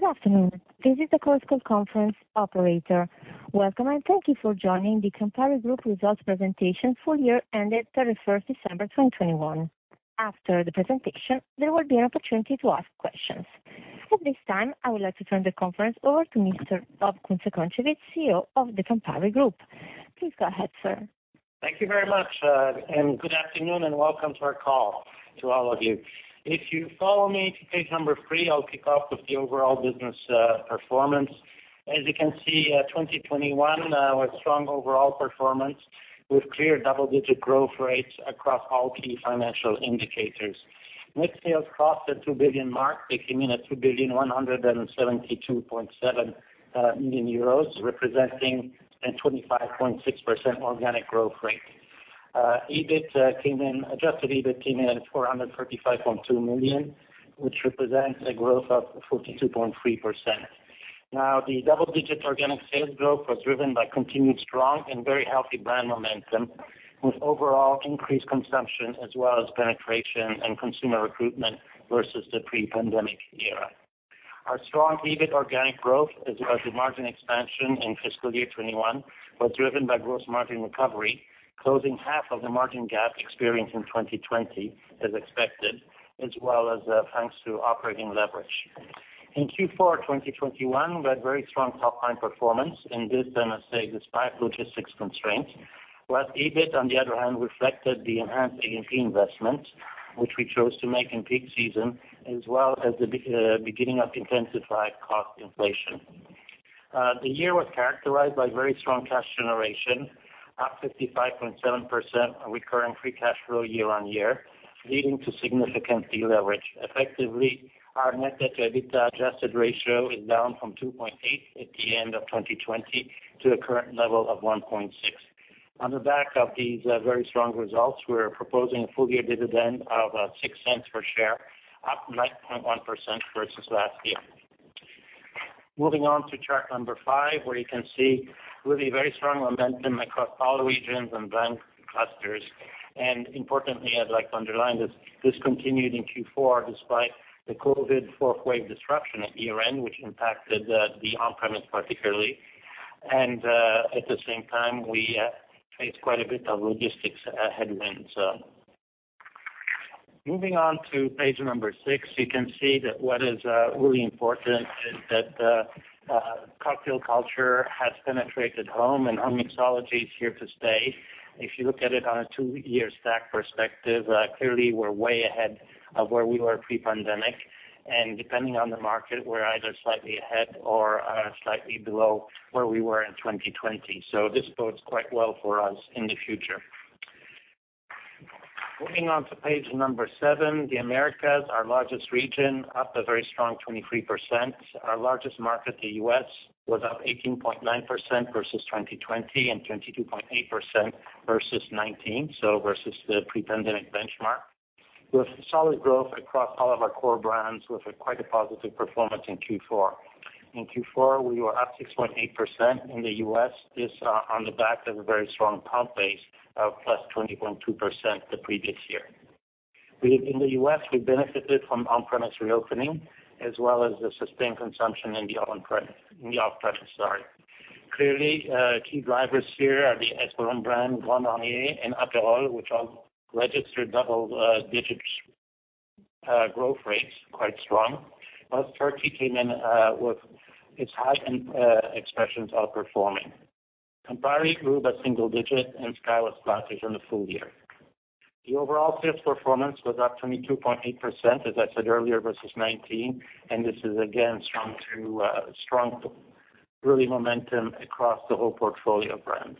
Good afternoon. This is the Chorus Call conference operator. Welcome and thank you for joining the Campari Group Results Presentation Full Year ended 31 December 2021. After the presentation, there will be an opportunity to ask questions. At this time, I would like to turn the conference over to Mr. Bob Kunze-Concewitz CEO of the Campari Group. Please go ahead, sir. Thank you very much and good afternoon and welcome to our call to all of you. If you follow me to page number three, I'll kick off with the overall business performance. As you can see, 2021 was strong overall performance with clear double-digit growth rates across all key financial indicators. Net sales crossed the two billion mark. They came in at 2,172.7 million euros, representing a 25.6% organic growth rate. Adjusted EBIT came in at 435.2 million, which represents a growth of 42.3%. Now, the double-digit organic sales growth was driven by continued strong and very healthy brand momentum, with overall increased consumption as well as penetration and consumer recruitment versus the pre-pandemic era. Our strong EBIT organic growth as well as the margin expansion in fiscal year 2021 was driven by gross margin recovery, closing half of the margin gap experienced in 2020 as expected, as well as thanks to operating leverage. In Q4 2021, we had very strong top line performance in this and I say despite logistics constraints, whereas EBIT on the other hand reflected the enhanced agency investment which we chose to make in peak season as well as the beginning of intensified cost inflation. The year was characterized by very strong cash generation, up 55.7% recurring free cash flow year on year, leading to significant deleverage. Effectively, our net debt to EBITDA adjusted ratio is down from 2.8 at the end of 2020 to a current level of 1.6. On the back of these, very strong results, we are proposing a full year dividend of 0.06 per share, up 9.1% versus last year. Moving on to chart 5, where you can see really very strong momentum across all the regions and brand clusters and importantly, I'd like to underline this continued in Q4 despite the COVID fourth wave disruption at year-end, which impacted the on-premise particularly. At the same time we faced quite a bit of logistics headwinds. Moving on to page 6, you can see that what is really important is that cocktail culture has penetrated home and home mixology is here to stay. If you look at it on a two-year stack perspective, clearly we're way ahead of where we were pre-pandemic and depending on the market, we're either slightly ahead or slightly below where we were in 2020. This bodes quite well for us in the future. Moving on to page 7, the Americas, our largest region, up a very strong 23%. Our largest market, the U.S., was up 18.9% versus 2020 and 22.8% versus 2019, so versus the pre-pandemic benchmark. With solid growth across all of our core brands with quite a positive performance in Q4. In Q4, we were up 6.8% in the U.S. This on the back of a very strong comp base of +20.2% the previous year. In the U.S., we benefited from on-premise reopening as well as the sustained consumption in the off-premise, sorry. Clearly, key drivers here are the Espolòn brand, Grand Marnier and Aperol, which all registered double-digit growth rates, quite strong. While Wild Turkey came in with its high-end expressions outperforming. Campari grew by single digits and SKYY was flat within the full year. The overall sales performance was up 22.8%, as I said earlier, versus 19 and this is again strong, really strong momentum across the whole portfolio brand.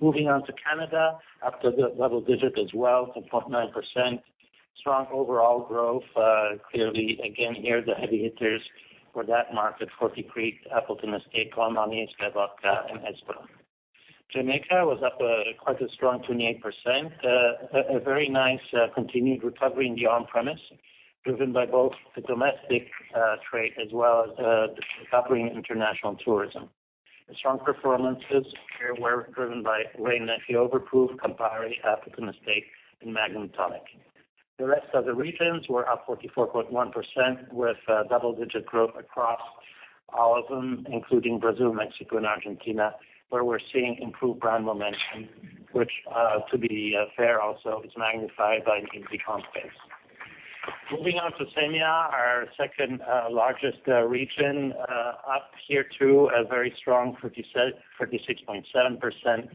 Moving on to Canada, up low double-digit as well, 10.9%. Strong overall growth, clearly again, here the heavy hitters for that market, Forty Creek, Appleton Estate, Grand Marnier, SKYY Vodka and Espolòn. Jamaica was up quite a strong 28%. A very nice continued recovery in the on-premise, driven by both the domestic trade as well as the recovering international tourism. The strong performances here were driven by Wray & Nephew Overproof, Campari, Appleton Estate and Magnum Tonic. The rest of the regions were up 44.1% with double-digit growth across all of them, including Brazil, Mexico and Argentina, where we're seeing improved brand momentum which, to be fair, also is magnified by an easy comp base. Moving on to CEMEA, our second largest region, up here to a very strong 46.7%.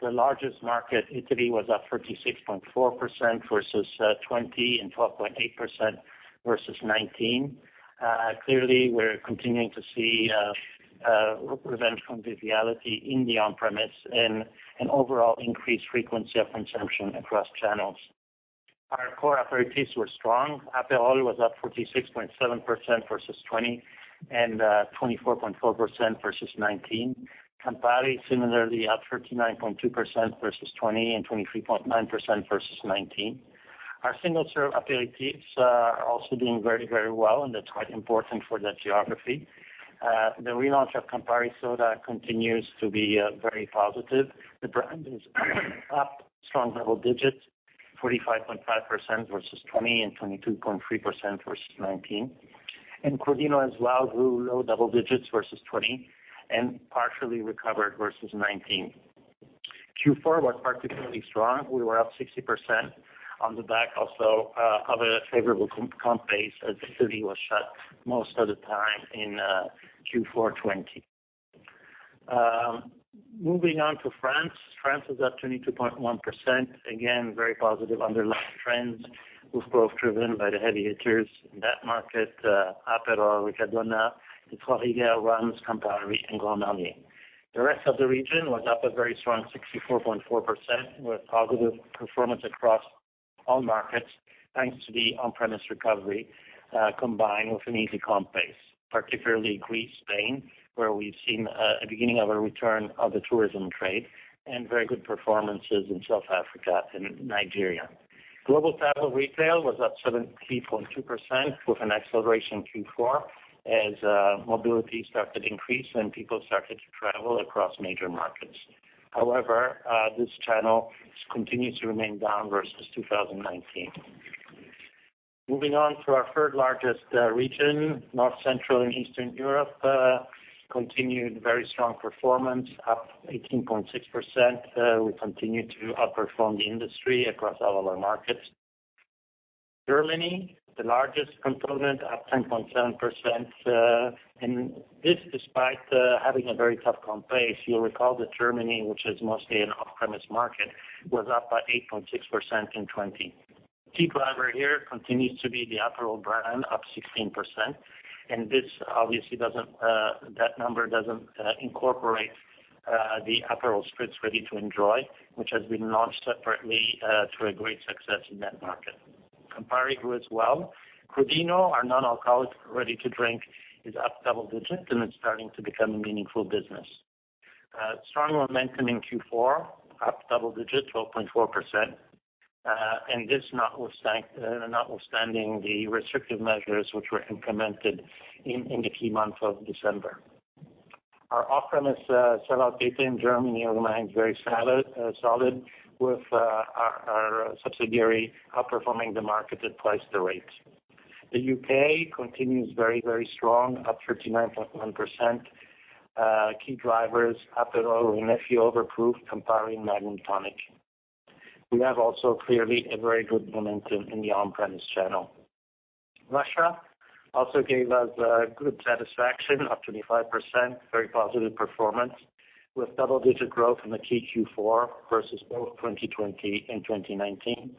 The largest market, Italy, was up 46.4% versus 2020 and 12.8% versus 2019. Clearly we're continuing to see revenge from vitality in the on-premise and an overall increased frequency of consumption across channels. Our core aperitifs were strong. Aperol was up 46.7% versus 2020 and 24.4% versus 2019. Campari similarly up 39.2% versus 2020 and 23.9% versus 2019. Our single serve aperitifs are also doing very, very well and that's quite important for that geography. The relaunch of Campari Soda continues to be very positive. The brand is up strong double digits, 45.5% versus 2020 and 22.3% versus 2019. Crodino as well grew low double digits versus 2020 and partially recovered versus 2019. Q4 was particularly strong. We were up 60% on the back also of a favorable comp base as the city was shut most of the time in Q4 2020. Moving on to France. France was up 22.1%. Again, very positive underlying trends with growth driven by the heavy hitters in that market, Aperol, Riccadonna, De Kuyper, rums, Campari and Grand Marnier. The rest of the region was up a very strong 64.4% with positive performance across all markets, thanks to the on-premise recovery combined with an easy comp base, particularly Greece, Spain, where we've seen a beginning of a return of the tourism trade and very good performances in South Africa and Nigeria. Global travel retail was up 73.2% with an acceleration in Q4 as mobility started to increase and people started to travel across major markets. However, this channel continues to remain down versus 2019. Moving on to our third largest region, North, Central and Eastern Europe, continued very strong performance, up 18.6%. We continue to outperform the industry across all of our markets. Germany, the largest component, up 10.7% and this despite having a very tough comp base. You'll recall that Germany, which is mostly an off-premise market, was up by 8.6% in 2020. Key driver here continues to be the Aperol brand, up 16%. This obviously doesn't, that number doesn't incorporate the Aperol Spritz Ready to Serve, which has been launched separately to great success in that market. Campari grew as well. Crodino, our non-alcoholic ready to drink, is up double digits and it's starting to become a meaningful business. Strong momentum in Q4, up double digits, 12.4% and this notwithstanding the restrictive measures which were implemented in the key month of December. Our off-premise sell-out data in Germany remains very solid with our subsidiary outperforming the market at twice the rate. The U.K. continues very, very strong, up 39.1%. Key drivers, Aperol, Lillet, Overproof, Campari, Magnum Tonic. We have also clearly a very good momentum in the on-premise channel. Russia also gave us good satisfaction, up 25%, very positive performance with double-digit growth in the key Q4 versus both 2020 and 2019.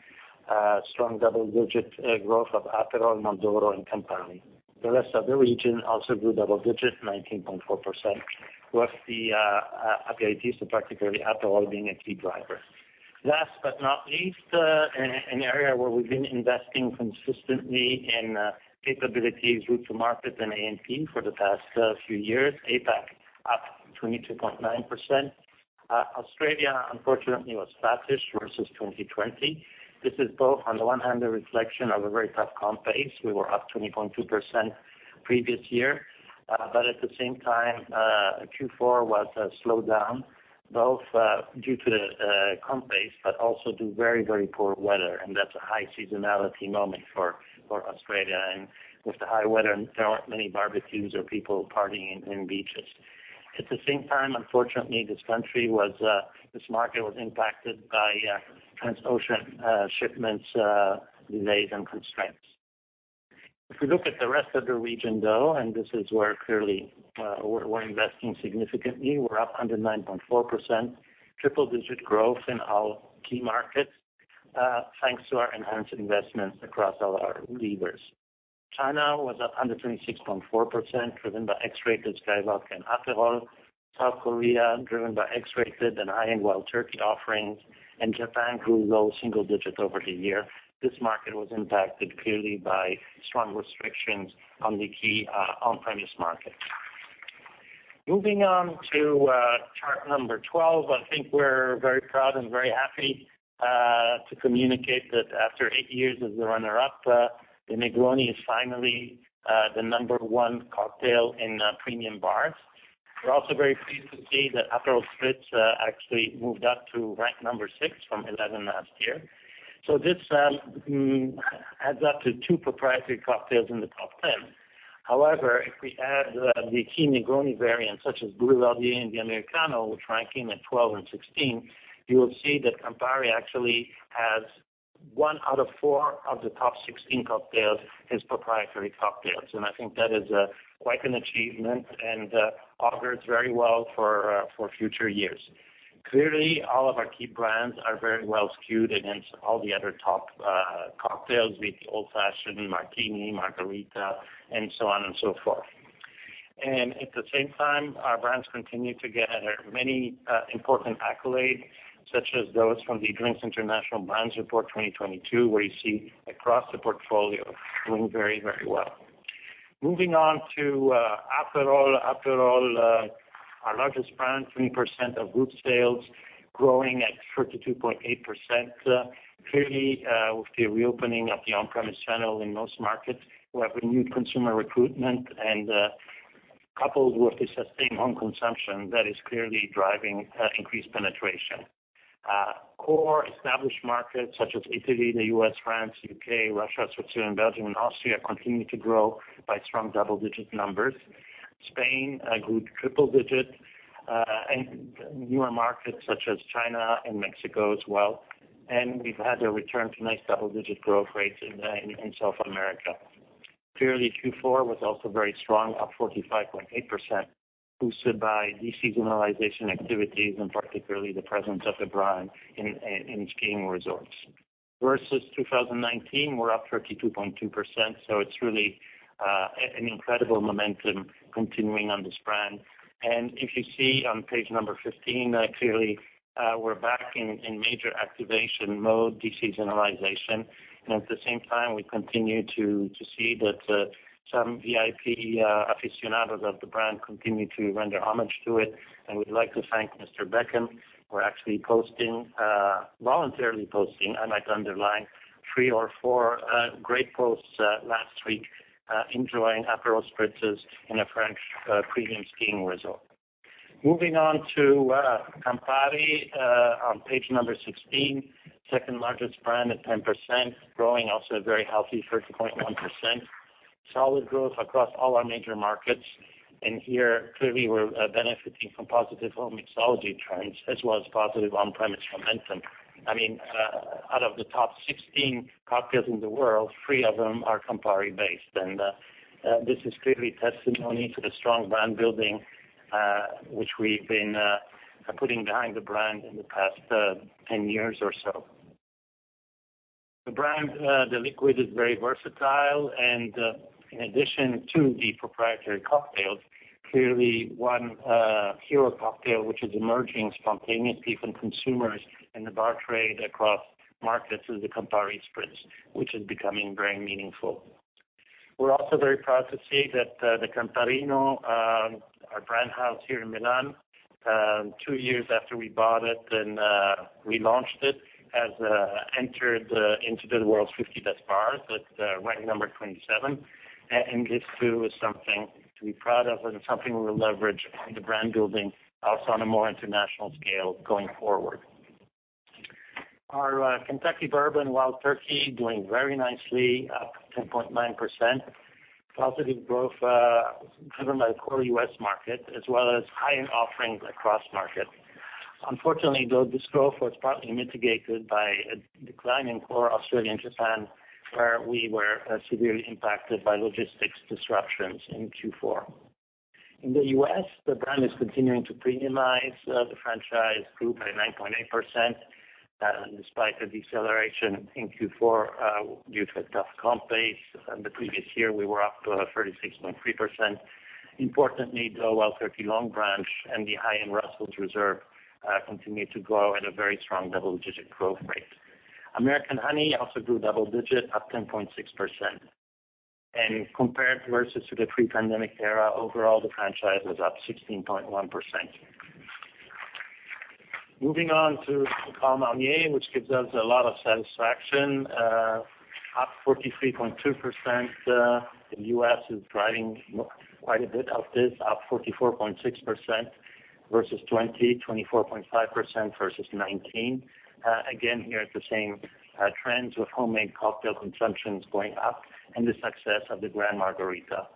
Strong double-digit growth of Aperol, Mondoro and Campari. The rest of the region also grew double digits, 19.4%, with the aperitifs, so particularly Aperol being a key driver. Last but not least, an area where we've been investing consistently in capabilities, route to market and A&P for the past few years, APAC up 22.9%. Australia, unfortunately, was flattish versus 2020. This is both, on the one hand, a reflection of a very tough comp base. We were up 20.2% previous year. But at the same time, Q4 was a slowdown, both due to the comp base but also due to very poor weather and that's a high seasonality moment for Australia. With the poor weather, there aren't many barbecues or people partying on beaches. At the same time, unfortunately, this market was impacted by transoceanic shipments delays and constraints. If we look at the rest of the region, though and this is where clearly, we're investing significantly, we're up 109.4%, triple-digit growth in all key markets, thanks to our enhanced investments across all our levers. China was up 126.4%, driven by X-Rated, SKYY Vodka and Aperol. South Korea, driven by X-Rated and high-end Wild Turkey offerings and Japan grew low single digits over the year. This market was impacted clearly by strong restrictions on the key on-premise market. Moving on to chart number 12, I think we're very proud and very happy to communicate that after eight years as the runner-up, the Negroni is finally the number one cocktail in premium bars. We're also very pleased to see that Aperol Spritz actually moved up to rank number six from 11 last year. This adds up to two proprietary cocktails in the top 10. However, if we add the key Negroni variants such as Boulevardier and the Americano, which rank in at 12 and 16, you will see that Campari actually has 1 out of 4 of the top 16 cocktails as proprietary cocktails. I think that is quite an achievement and augurs very well for future years. Clearly, all of our key brands are very well skewed against all the other top cocktails, be it the Old Fashioned, Martini, Margarita and so on and so forth. At the same time, our brands continue to get many important accolades, such as those from the Drinks International Annual Brands Report 2022, where you see across the portfolio doing very, very well. Moving on to Aperol. Aperol, our largest brand, 3% of group sales, growing at 32.8%. Clearly, with the reopening of the on-premise channel in most markets, we have renewed consumer recruitment and, coupled with the sustained home consumption that is clearly driving, increased penetration. Core established markets such as Italy, the U.S., France, U.K., Russia, Switzerland, Belgium and Austria continue to grow by strong double-digit numbers. Spain grew triple-digit and newer markets such as China and Mexico as well. We've had a return to nice double-digit growth rates in South America. Clearly, Q4 was also very strong, up 45.8% boosted by de-seasonalization activities and particularly the presence of the brand in skiing resorts. Versus 2019, we're up 32.2%, so it's really an incredible momentum continuing on this brand. If you see on page 15, clearly, we're back in major activation mode de-seasonalization. At the same time, we continue to see that some VIP aficionados of the brand continue to render homage to it. We'd like to thank Mr. Beckham for actually voluntarily posting, I might underline, three or four great posts last week enjoying Aperol Spritzes in a French premium skiing resort. Moving on to Campari on page 16, second-largest brand at 10%, growing also a very healthy 13.1%. Solid growth across all our major markets. Here, clearly, we're benefiting from positive home mixology trends as well as positive on-premise momentum. I mean, out of the top 16 cocktails in the world, three of them are Campari-based. This is clearly testimony to the strong brand building which we've been putting behind the brand in the past ten years or so. The brand, the liquid is very versatile and in addition to the proprietary cocktails, clearly one hero cocktail which is emerging spontaneously from consumers in the bar trade across markets is the Campari Spritz, which is becoming very meaningful. We're also very proud to see that the Camparino, our brand house here in Milan, two years after we bought it and relaunched it, has entered into the world's 50 best bars with ranking number 27. This too is something to be proud of and something we'll leverage on the brand building also on a more international scale going forward. Our Kentucky bourbon, Wild Turkey, doing very nicely, up 10.9%. Positive growth driven by the core U.S. market as well as high-end offerings across market. Unfortunately, though, this growth was partly mitigated by a decline in core Australian and Japan, where we were severely impacted by logistics disruptions in Q4. In the U.S., the brand is continuing to premiumize, the franchise grew by 9.8%, despite a deceleration in Q4, due to a tough comp base. In the previous year, we were up 36.3%. Importantly, though, Wild Turkey Longbranch and the high-end Russell's Reserve continued to grow at a very strong double-digit growth rate. American Honey also grew double digit, up 10.6%. Compared versus to the pre-pandemic era, overall, the franchise was up 16.1%. Moving on to Grand Marnier, which gives us a lot of satisfaction, up 43.2%. The U.S. is driving quite a bit of this, up 44.6% versus 2020, 24.5% versus 2019. Again, here it's the same trends with homemade cocktail consumptions going up and the success of the Grand Margarita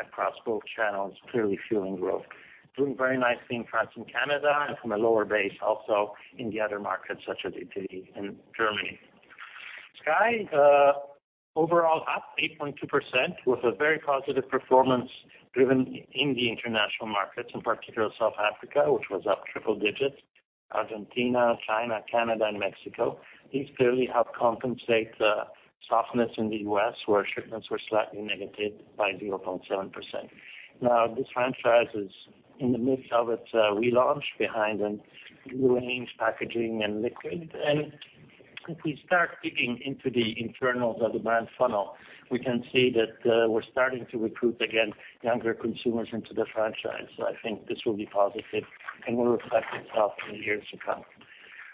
across both channels clearly fueling growth. Doing very nicely in France and Canada and from a lower base also in the other markets such as Italy and Germany. SKYY, overall up 8.2% with a very positive performance driven in the international markets, in particular South Africa, which was up triple digits, Argentina, China, Canada and Mexico. These clearly help compensate the softness in the U.S., where shipments were slightly negative by 0.7%. Now, this franchise is in the midst of its relaunch behind a new range, packaging and liquid. If we start digging into the internals of the brand funnel, we can see that we're starting to recruit again younger consumers into the franchise. I think this will be positive and will reflect itself in the years to come.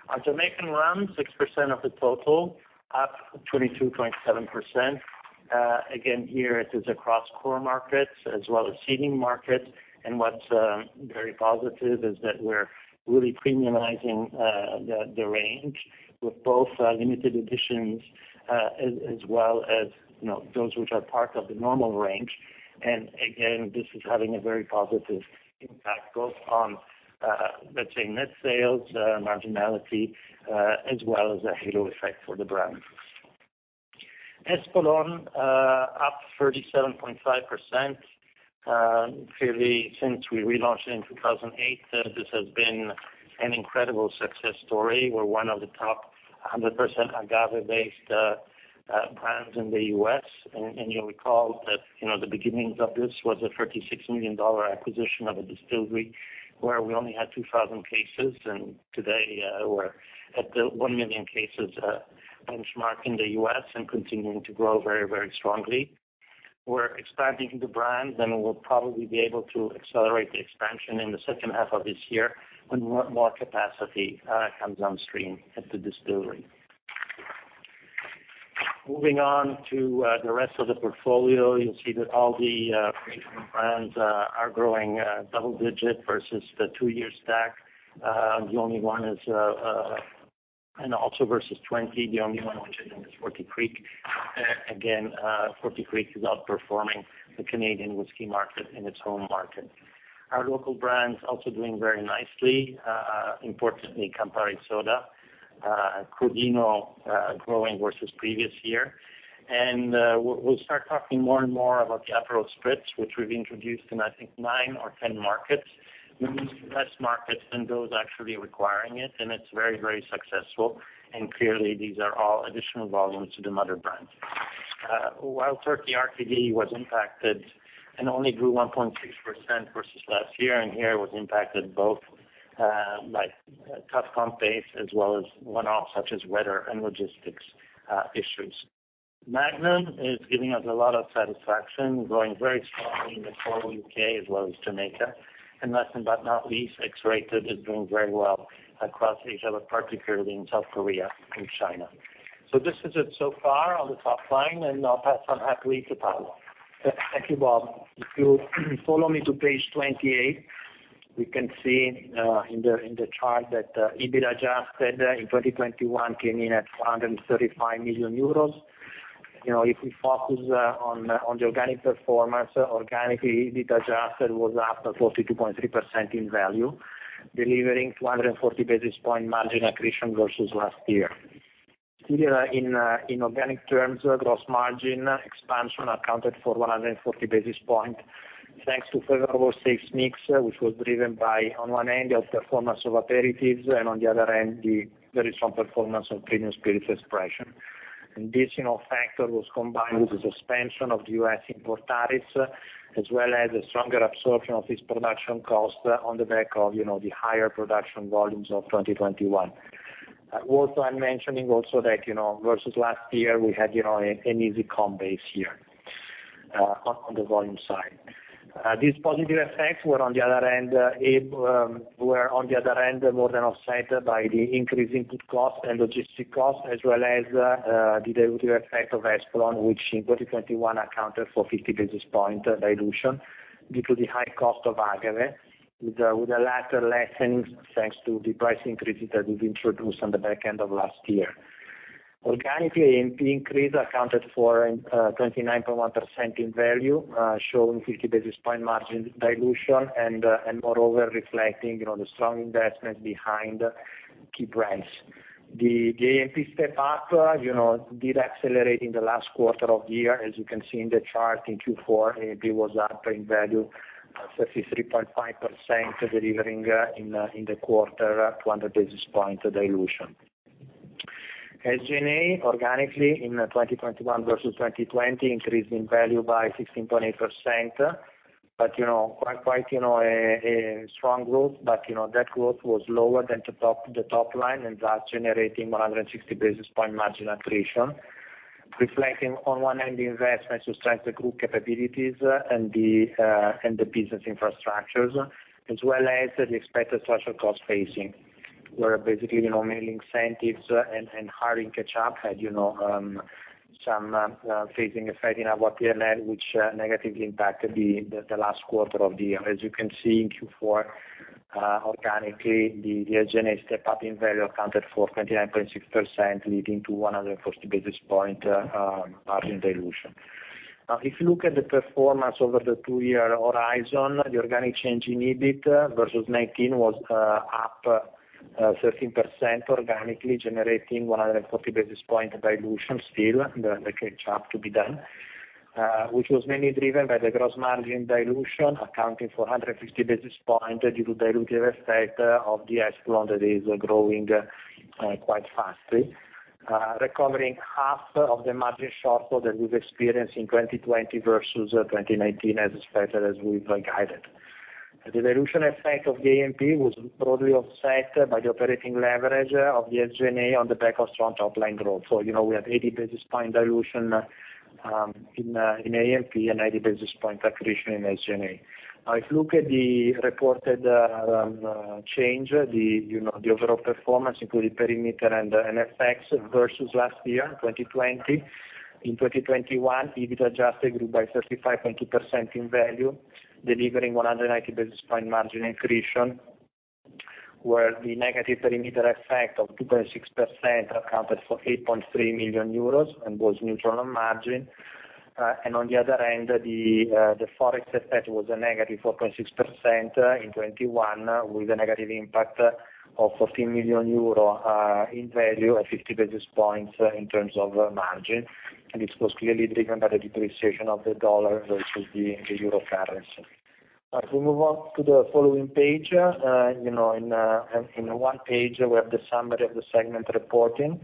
Our Jamaican rum, 6% of the total, up 22.7%. Again, here it is across core markets as well as seeding markets. What's very positive is that we're really premiumizing the range with both limited editions as well as, you know, those which are part of the normal range. Again, this is having a very positive impact both on, let's say, net sales, marginality, as well as a halo effect for the brand. Espolòn, up 37.5%. Clearly, since we relaunched it in 2008, this has been an incredible success story. We're one of the top 100% agave-based brands in the U.S. You'll recall that, you know, the beginnings of this was a $36 million acquisition of a distillery, where we only had 2,000 cases and today, we're at the 1 million cases benchmark in the U.S. and continuing to grow very strongly. We're expanding the brand and we'll probably be able to accelerate the expansion in the second half of this year when more capacity comes on stream at the distillery. Moving on to the rest of the portfolio, you'll see that all the premium brands are growing double-digit versus the two-year stack. Also versus 2020, the only one which is in is Forty Creek. Again, Forty Creek is outperforming the Canadian whiskey market in its home market. Our local brands also doing very nicely, importantly Campari Soda, Crodino, growing versus previous year. We'll start talking more and more about the Aperol Spritz, which we've introduced in, I think 9 or 10 markets, less markets than those actually requiring it and it's very, very successful and clearly these are all additional volumes to the mother brand. Wild Turkey RTD was impacted and only grew 1.6% versus last year and here was impacted both by tough comp base as well as one-off such as weather and logistics issues. Magnum is giving us a lot of satisfaction, growing very strongly in the core U.K. as well as Jamaica. Last but not least, X-Rated is doing very well across Asia but particularly in South Korea and China. This is it so far on the top line and I'll pass on happily to Paolo. Thank you, Bob. If you follow me to page 28, we can see in the chart that EBIT adjusted in 2021 came in at 435 million euros. You know, if we focus on the organic performance organically, EBIT adjusted was up 42.3% in value, delivering 240 basis point margin accretion versus last year. Still in organic terms, gross margin expansion accounted for 140 basis point, thanks to favorable sales mix, which was driven by, on one end, the performance of Aperitifs and on the other end, the very strong performance of Premium Spirits expression. This, you know, factor was combined with the suspension of the U.S. import tariffs, as well as a stronger absorption of this production cost on the back of, you know, the higher production volumes of 2021. Also, I'm mentioning that, you know, versus last year we had, you know, an easy comp base here, on the volume side. These positive effects were on the other end more than offset by the increase in input costs and logistic costs, as well as the dilutive effect of Espolòn, which in 2021 accounted for 50 basis points dilution due to the high cost of agave, with the latter lessening thanks to the price increases that we've introduced on the back end of last year. Organically, A&P increase accounted for 29.1% in value, showing 50 basis point margin dilution and moreover reflecting, you know, the strong investment behind key brands. The A&P step up, you know, did accelerate in the last quarter of the year. As you can see in the chart in Q4, A&P was up in value 33.5%, delivering in the quarter 200 basis point dilution. SG&A organically in 2021 versus 2020 increased in value by 16.8%. You know, quite a strong growth but you know, that growth was lower than the top line and thus generating 160 basis point margin accretion, reflecting on one end the investments to strengthen group capabilities and the business infrastructures, as well as the expected structural cost phasing, where basically, you know, management incentives and hiring catch-up had some phasing effect in our P&L, which negatively impacted the last quarter of the year. As you can see in Q4, organically, the SG&A step up in value accounted for 29.6%, leading to 140 basis point margin dilution. If you look at the performance over the two-year horizon, the organic change in EBIT versus 2019 was up 13% organically, generating 140 basis points dilution still, the catch-up to be done, which was mainly driven by the gross margin dilution accounting for 150 basis points due to dilutive effect of the Espolòn that is growing quite fast, recovering half of the margin shortfall that we've experienced in 2020 versus 2019 as expected as we've guided. The dilution effect of the A&P was broadly offset by the operating leverage of the SG&A on the back of strong top line growth. You know, we have 80 basis points dilution in A&P and 80 basis points accretion in SG&A. Now, if you look at the reported change, you know, the overall performance including perimeter and FX versus last year in 2020, in 2021, EBIT adjusted grew by 35.2% in value, delivering 180 basis points margin accretion, where the negative perimeter effect of 2.6% accounted for 8.3 million euros and was neutral on margin. On the other end, the FX effect was a negative 4.6% in 2021, with a negative impact of 14 million euro in value at 50 basis points in terms of margin. This was clearly driven by the depreciation of the dollar versus the euro currency. If we move on to the following page, you know, in one page, we have the summary of the segment reporting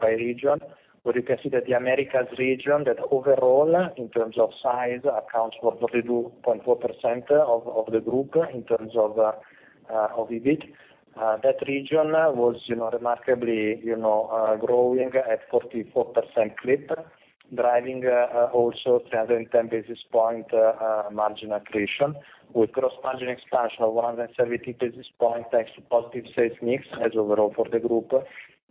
by region, where you can see that the Americas region that overall in terms of size accounts for 42.4% of the group in terms of EBIT. That region was, you know, remarkably, you know, growing at 44% clip, driving also 310 basis points margin accretion with gross margin expansion of 170 basis points, thanks to positive sales mix overall for the group,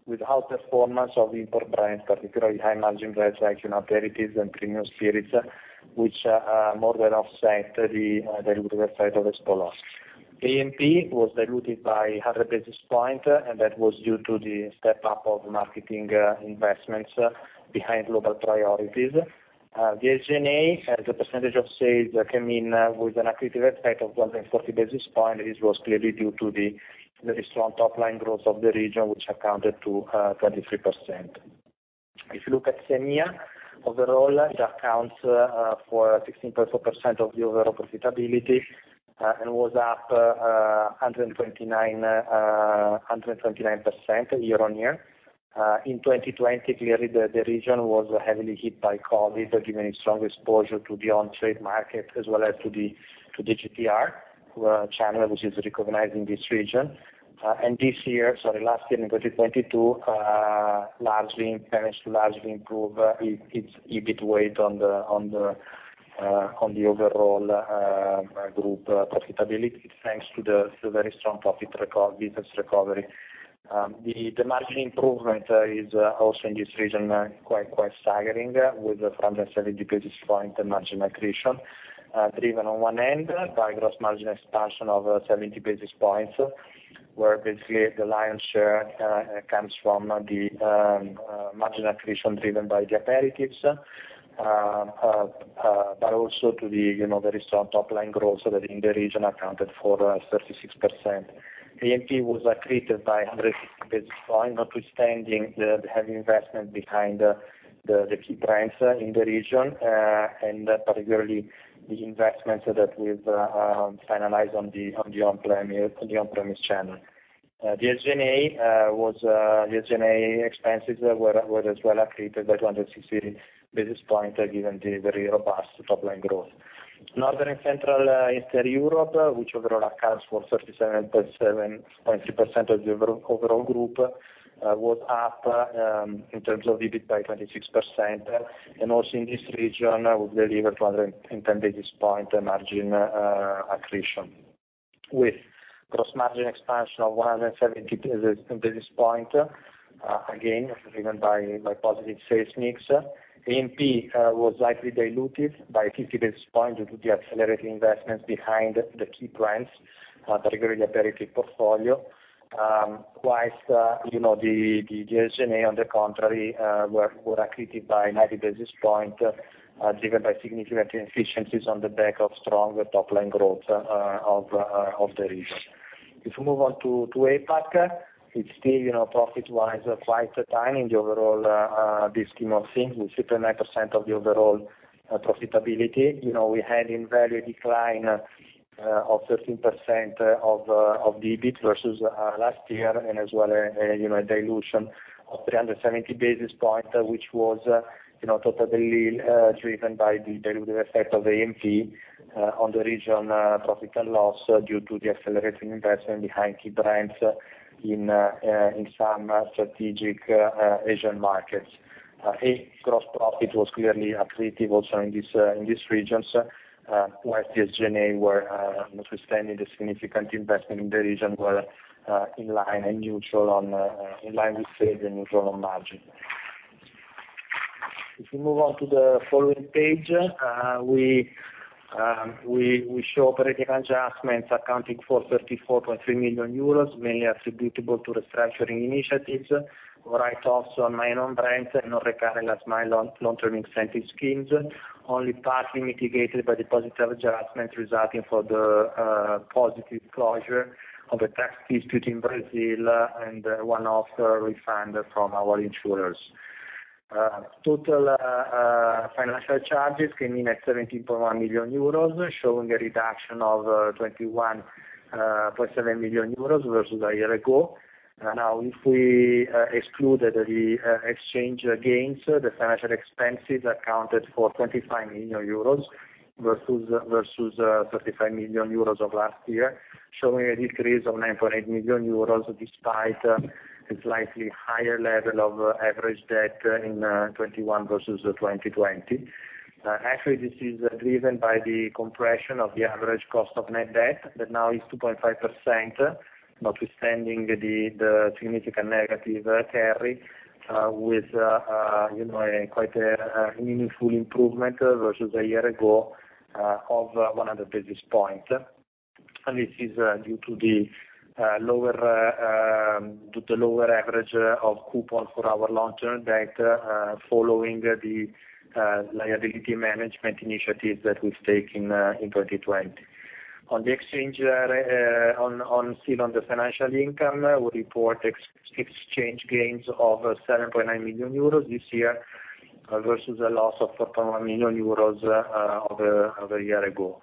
with outperformance of Import Brands, particularly high margin brands like, you know, Aperitifs and Premium Spirits, which more than offset the dilutive effect of Espolòn. A&P was diluted by 100 basis points and that was due to the step up of marketing investments behind global priorities. The SG&A as a percentage of sales came in with an accretive effect of 140 basis points. This was clearly due to the strong top line growth of the region, which accounted for 23%. If you look at CEMEA, overall, it accounts for 16.4% of the overall profitability and was up 129% year-on-year. In 2020, clearly the region was heavily hit by COVID, given its strong exposure to the on-trade market as well as to the GTR channel, which is recognized in this region. Sorry, last year, in 2022, it largely managed to improve its EBIT weight on the overall group profitability, thanks to the very strong business recovery. The margin improvement is also in this region quite staggering with 170 basis points margin accretion, driven on one hand by gross margin expansion of 70 basis points, where basically the lion's share comes from the margin accretion driven by the aperitifs but also due to the, you know, very strong top line growth that in the region accounted for 36%. The A&P was accreted by 100 basis points, notwithstanding the heavy investment behind the key brands in the region and particularly the investments that we've finalized on the on-premise channel. The SG&A expenses were as well accreted by 260 basis points, given the very robust top line growth. Northern and Central Eastern Europe, which overall accounts for 37.73% of the overall group, was up in terms of EBIT by 26% and also in this region, we delivered 210 basis point margin accretion. With gross margin expansion of 170 basis point, again, driven by positive sales mix. A&P was slightly diluted by 50 basis point due to the accelerated investments behind the key brands, particularly the aperitif portfolio. While, you know, the SG&A on the contrary were accreted by 90 basis point, driven by significant efficiencies on the back of strong top line growth of the region. If you move on to APAC, it's still, you know, profit-wise quite tiny in the overall big scheme of things, with 6.9% of the overall profitability. You know, we had a value decline of 13% of the EBIT versus last year and a dilution of 370 basis points, which was, you know, totally driven by the dilutive effect of A&P on the region profit and loss due to the accelerated investment behind key brands in some strategic Asian markets. The gross profit was clearly accretive also in these regions, whilst the SG&A, notwithstanding the significant investment in the region, were in line with sales and neutral on margin. If you move on to the following page, we show operating adjustments accounting for 34.3 million euros, mainly attributable to restructuring initiatives, write-offs on minor brands and non-recurring last mile long-term incentive schemes, only partly mitigated by the positive adjustments resulting from the positive closure of a tax dispute in Brazil and one-off refund from our insurers. Total financial charges came in at 17.1 million euros, showing a reduction of 21.7 million euros versus a year ago. Now, if we excluded the exchange gains, the financial expenses accounted for 25 million euros versus 35 million euros of last year, showing a decrease of 9.8 million euros, despite a slightly higher level of average debt in 2021 versus 2020. Actually, this is driven by the compression of the average cost of net debt that now is 2.5%, notwithstanding the significant negative carry, you know, a quite meaningful improvement versus a year ago, of 100 basis points. This is due to the lower average coupon for our long-term debt, following the liability management initiatives that we've taken in 2020. On the FX, still on the financial income, we report ex-FX gains of 7.9 million euros this year, versus a loss of 4.1 million euros a year ago.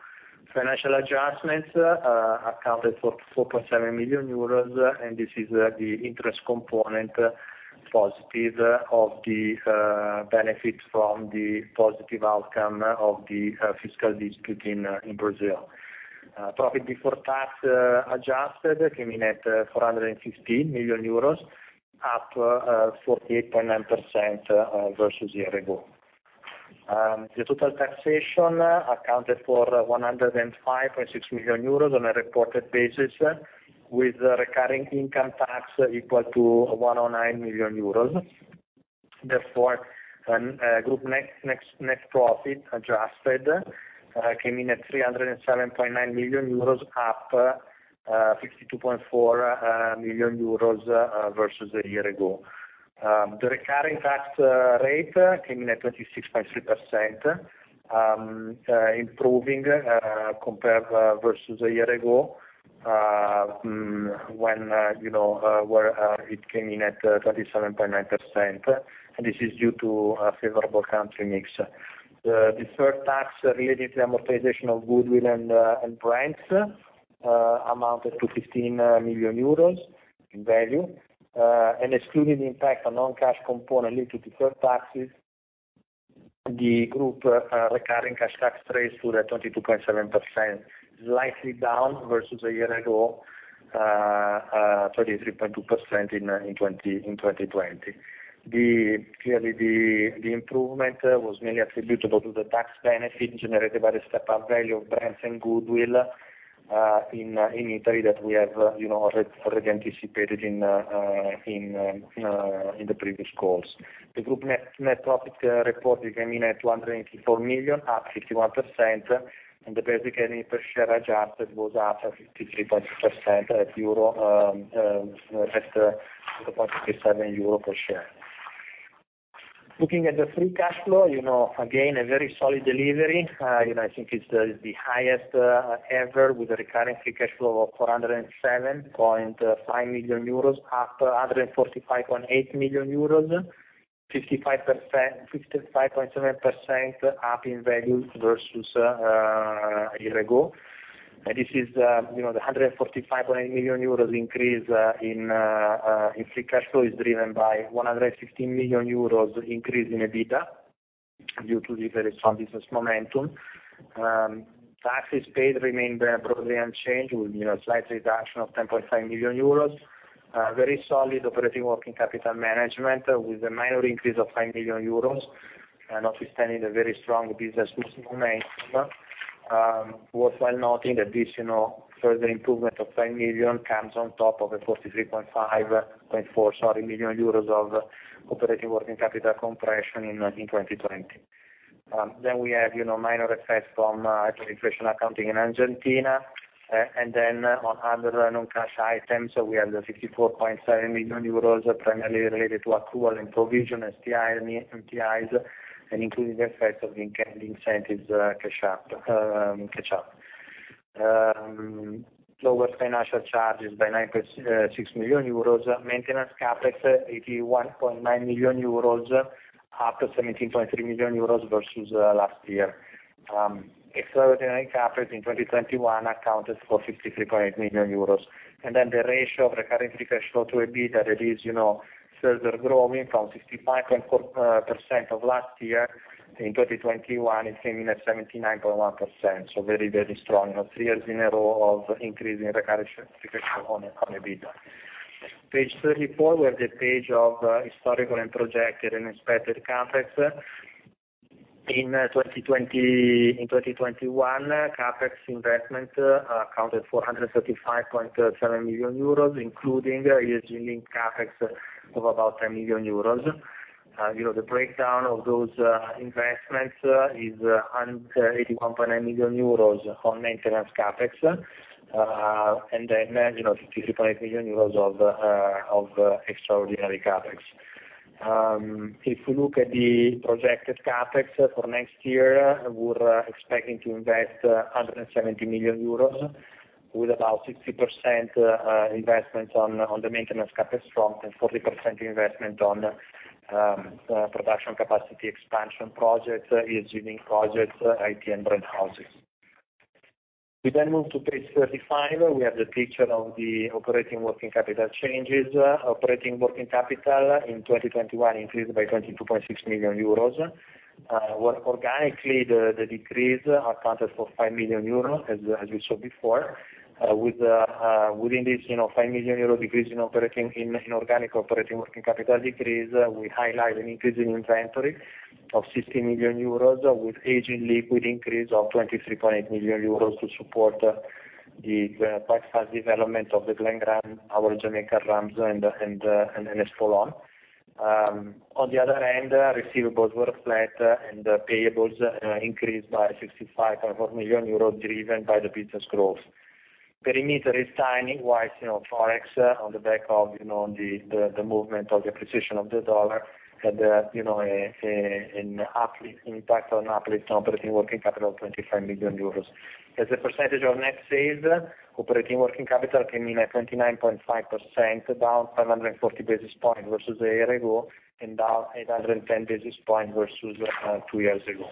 Financial adjustments accounted for 4.7 million euros and this is the interest component positive of the benefit from the positive outcome of the fiscal dispute in Brazil. Profit before tax adjusted came in at 416 million euros, up 48.9% versus a year ago. The total taxation accounted for 105.6 million euros on a reported basis with recurring income tax equal to 109 million euros. Therefore, group net profit adjusted came in at 307.9 million euros, up 52.4 million euros versus a year ago. The recurring tax rate came in at 26.3%, improving compared versus a year ago, when you know where it came in at 37.9% and this is due to a favorable country mix. The deferred tax related to amortization of goodwill and brands amounted to 15 million euros in value. Excluding the impact on non-cash component linked to deferred taxes, the group recurring cash tax rate stood at 22.7%, slightly down versus a year ago, 33.2% in 2020. Clearly, the improvement was mainly attributable to the tax benefit generated by the step-up value of brands and goodwill in Italy that we have, you know, already anticipated in the previous calls. The group net profit reported came in at 284 million, up 61%. The basic earning per share adjusted was up 53.6% at EUR 2.37 per share. Looking at the free cash flow, you know, again, a very solid delivery. You know, I think it's the highest ever with a recurring free cash flow of 407.5 million euros, up 145.8 million euros, 55%, 55.7% up in value versus a year ago. This is you know the 145.8 million euros increase in free cash flow is driven by 115 million euros increase in EBITDA due to the very strong business momentum. Taxes paid remained broadly unchanged with you know slight reduction of 10.5 million euros. Very solid operating working capital management with a minor increase of 5 million euros notwithstanding the very strong business mix momentum. Worthwhile noting that this, you know, further improvement of 5 million comes on top of a 43.4 million euros of operating working capital compression in 2020. We have, you know, minor effects from hyperinflation accounting in Argentina. On other non-cash items, we have the 54.7 million euros, primarily related to accrual and provision STIs and MTIs and including the effects of incentives catch up. Lower financial charges by EUR 9.6 million. Maintenance CapEx, 81.9 million euros, up 17.3 million euros versus last year. Extraordinary CapEx in 2021 accounted for 53.8 million euros. The ratio of recurring free cash flow to EBITDA that is, you know, further growing from 65.4% of last year. In 2021, it came in at 79.1%. Very, very strong, you know, three years in a row of increasing recurring free cash flow on EBITDA. Page 34, we have the page of historical and projected and expected CapEx. In 2020, in 2021, CapEx investment accounted for 135.7 million euros, including ESG-linked CapEx of about 10 million euros. You know, the breakdown of those investments is 181.9 million euros on maintenance CapEx and 53.8 million euros of extraordinary CapEx. If you look at the projected CapEx for next year, we're expecting to invest 170 million euros with about 60% investment on the maintenance CapEx front and 40% investment on production capacity expansion projects, ESG projects, IT and brand houses. We move to page 35. We have the picture of the operating working capital changes. Operating working capital in 2021 increased by 22.6 million euros. Where organically the decrease accounted for 5 million euros as you saw before. With, you know, 5 million euro decrease in organic operating working capital decrease, we highlight an increase in inventory of 60 million euros with aging liquid increase of 23.8 million euros to support the quite fast development of The Glen Grant, our Jamaican rums and Espolòn. On the other hand, receivables were flat and payables increased by 65.4 million euros, driven by the business growth. Parameter is tiny, whilst, you know, Forex on the back of, you know, the movement of the appreciation of the dollar had, you know, an uplift, an impact on uplift on operating working capital of 25 million euros. As a percentage of net sales, operating working capital came in at 29.5%, down 540 basis points versus a year ago and down 810 basis points versus two years ago.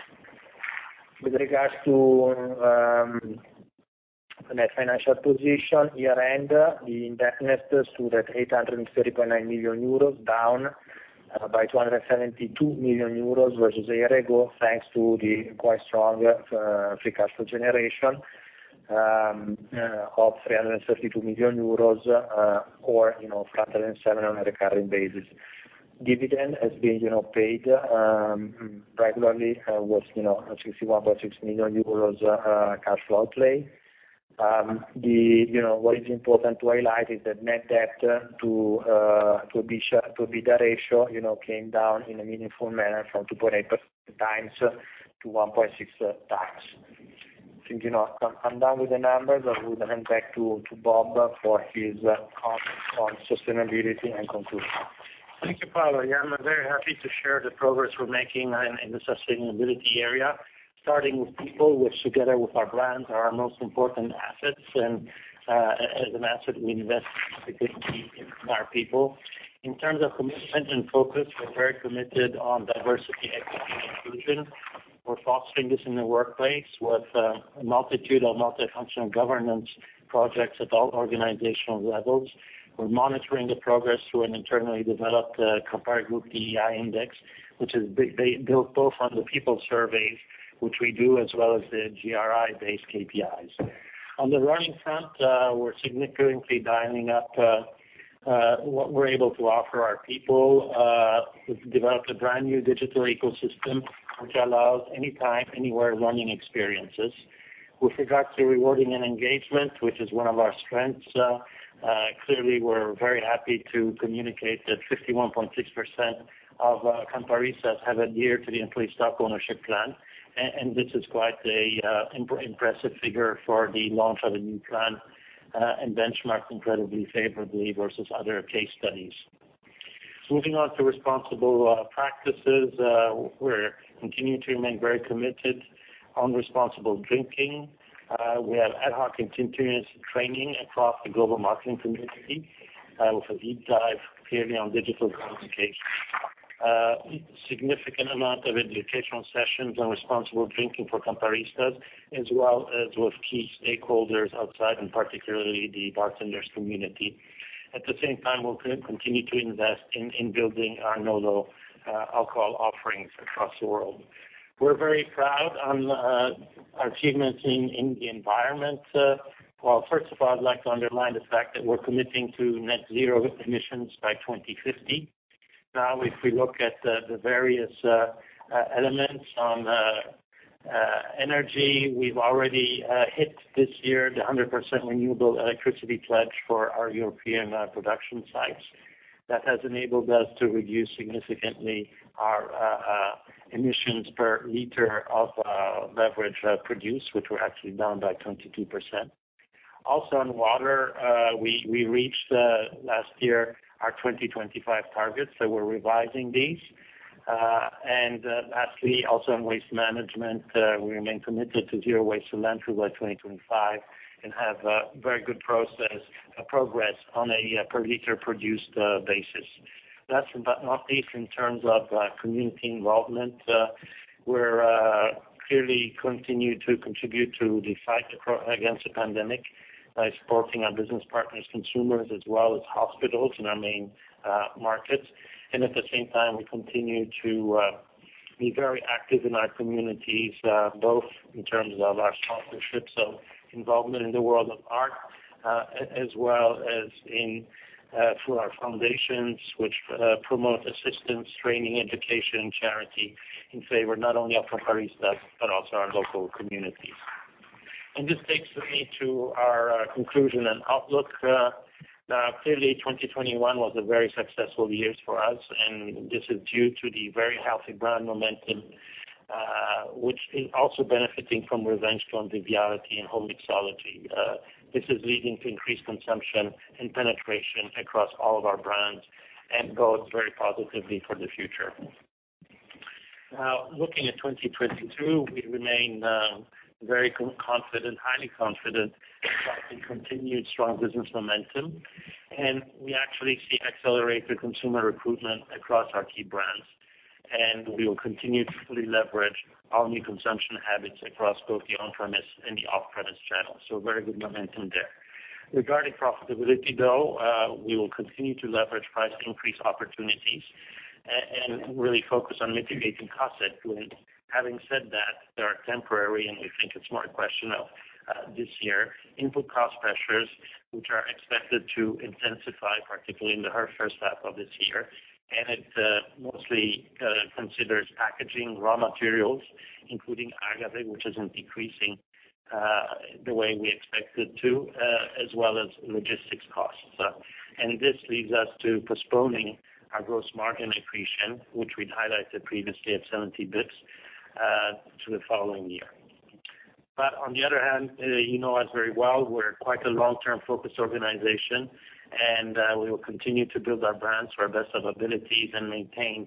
With regards to net financial position, year-end, the indebtedness stood at 830.9 million euros, down by 272 million euros versus a year ago, thanks to the quite strong free cash flow generation of 332 million euros or, you know, flat and seven on a recurring basis. Dividend has been, you know, paid regularly, was 61.6 million euros, cash flow play. What is important to highlight is that net debt to EBITDA ratio came down in a meaningful manner from 2.8 times to 1.6 times. I think, you know, I'm done with the numbers. I will hand back to Bob for his comments on sustainability and conclusion. Thank you, Paolo. Yeah, I'm very happy to share the progress we're making in the sustainability area, starting with people, which together with our brands, are our most important assets. As an asset, we invest significantly in our people. In terms of commitment and focus, we're very committed on diversity, equity and inclusion. We're fostering this in the workplace with a multitude of multifunctional governance projects at all organizational levels. We're monitoring the progress through an internally developed DEI index, which is built both on the people surveys, which we do, as well as the GRI based KPIs. On the learning front, we're significantly dialing up what we're able to offer our people. We've developed a brand new digital ecosystem, which allows anytime, anywhere learning experiences. With regards to rewarding and engagement, which is one of our strengths, clearly we're very happy to communicate that 61.6% of Campari sales have adhered to the employee stock ownership plan. This is quite an impressive figure for the launch of a new plan and benchmarked incredibly favorably versus other case studies. Moving on to responsible practices, we're continuing to remain very committed to responsible drinking. We have ad hoc and continuous training across the global marketing community, with a deep dive clearly on digital communication. Significant amount of educational sessions on responsible drinking for Campari staff, as well as with key stakeholders outside and particularly the bartenders community. At the same time, we'll continue to invest in building our non-alcohol offerings across the world. We're very proud on our achievements in the environment. Well, first of all, I'd like to underline the fact that we're committing to net zero emissions by 2050. Now, if we look at the various elements on energy, we've already hit this year the 100% renewable electricity pledge for our European production sites. That has enabled us to reduce significantly our emissions per liter of beverage produced, which were actually down by 22%. Also on water, we reached last year our 2025 targets. We're revising these. Lastly, also in waste management, we remain committed to zero waste to landfill by 2025 and have a very good progress on a per liter produced basis. Last but not least, in terms of community involvement, we're clearly continuing to contribute to the fight against the pandemic by supporting our business partners, consumers, as well as hospitals in our main markets. At the same time, we continue to be very active in our communities, both in terms of our sponsorships and involvement in the world of art, as well as through our foundations which promote assistance, training, education, charity in favor not only of Campari staff but also our local communities. This takes me to our conclusion and outlook. Now clearly 2021 was a very successful year for us and this is due to the very healthy brand momentum, which is also benefiting from revenge driven vitality and home mixology. This is leading to increased consumption and penetration across all of our brands and bodes very positively for the future. Now looking at 2022, we remain very confident, highly confident about the continued strong business momentum and we actually see accelerated consumer recruitment across our key brands. We will continue to fully leverage our new consumption habits across both the on-premise and the off-premise channels. Very good momentum there. Regarding profitability, though, we will continue to leverage price increase opportunities and really focus on mitigating cost headwinds. Having said that, there are temporary and we think it's more a question of this year, input cost pressures, which are expected to intensify, particularly in the first half of this year. It mostly considers packaging raw materials, including agave, which isn't decreasing the way we expect it to, as well as logistics costs. This leads us to postponing our gross margin accretion, which we'd highlighted previously at 70 basis points, to the following year. On the other hand, you know us very well, we're quite a long-term focused organization and we will continue to build our brands to our best of abilities and maintain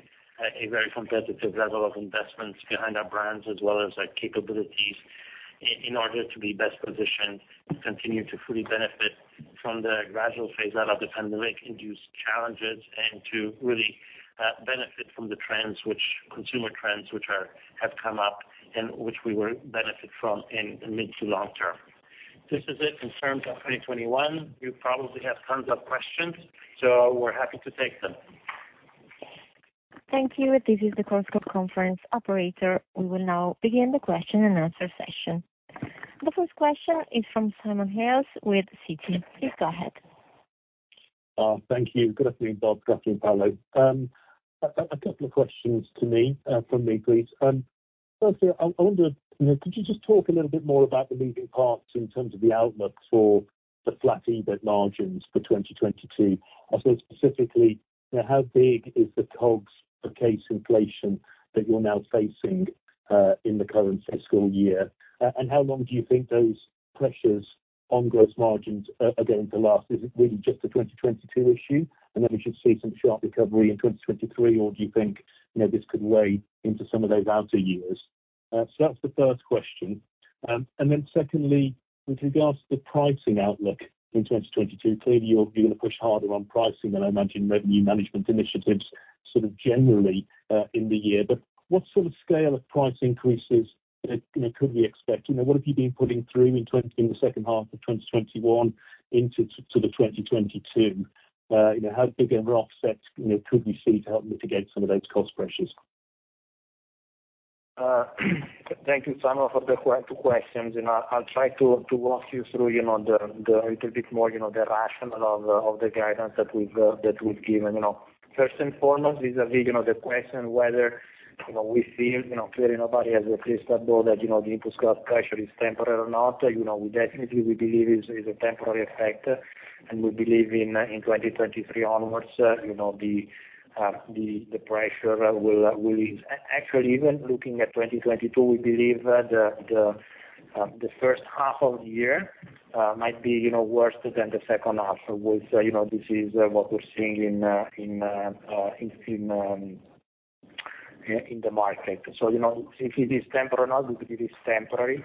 a very competitive level of investments behind our brands as well as our capabilities in order to be best positioned to continue to fully benefit from the gradual phase out of the pandemic induced challenges and to really benefit from the consumer trends which have come up and which we will benefit from in the mid to long term. This is it in terms of 2021. You probably have tons of questions, so we're happy to take them. Thank you. This is the Chorus Call conference operator. We will now begin the question and answer session. The first question is from Simon Hales with Citi. Please go ahead. Thank you. Good afternoon, Bob. Good afternoon, Paolo. A couple of questions from me, please. Firstly, I wonder, you know, could you just talk a little bit more about the moving parts in terms of the outlook for the flat EBIT margins for 2022? Also, specifically, you know, how big is the COGS cost inflation that you're now facing in the current fiscal year? And how long do you think those pressures on gross margins are going to last? Is it really just a 2022 issue and then we should see some sharp recovery in 2023 or do you think, you know, this could weigh into some of those outer years? So that's the first question. Secondly, with regards to the pricing outlook in 2022, clearly you're gonna push harder on pricing and I imagine revenue management initiatives sort of generally in the year. But what sort of scale of price increases, you know, could we expect? You know, what have you been putting through in the second half of 2021 into to 2022? You know, how big an offset, you know, could we see to help mitigate some of those cost pressures? Thank you, Simon, for the two questions and I'll try to walk you through a little bit more the rationale of the guidance that we've given, you know. First and foremost, vis-a-vis the question whether we feel clearly nobody has a crystal ball that the input cost pressure is temporary or not. You know, we definitely believe it's a temporary effect and we believe in 2023 onwards the pressure will ease. Actually, even looking at 2022, we believe the first half of the year might be worse than the second half with this is what we're seeing in the market. You know, if it is temporary or not, we believe it is temporary.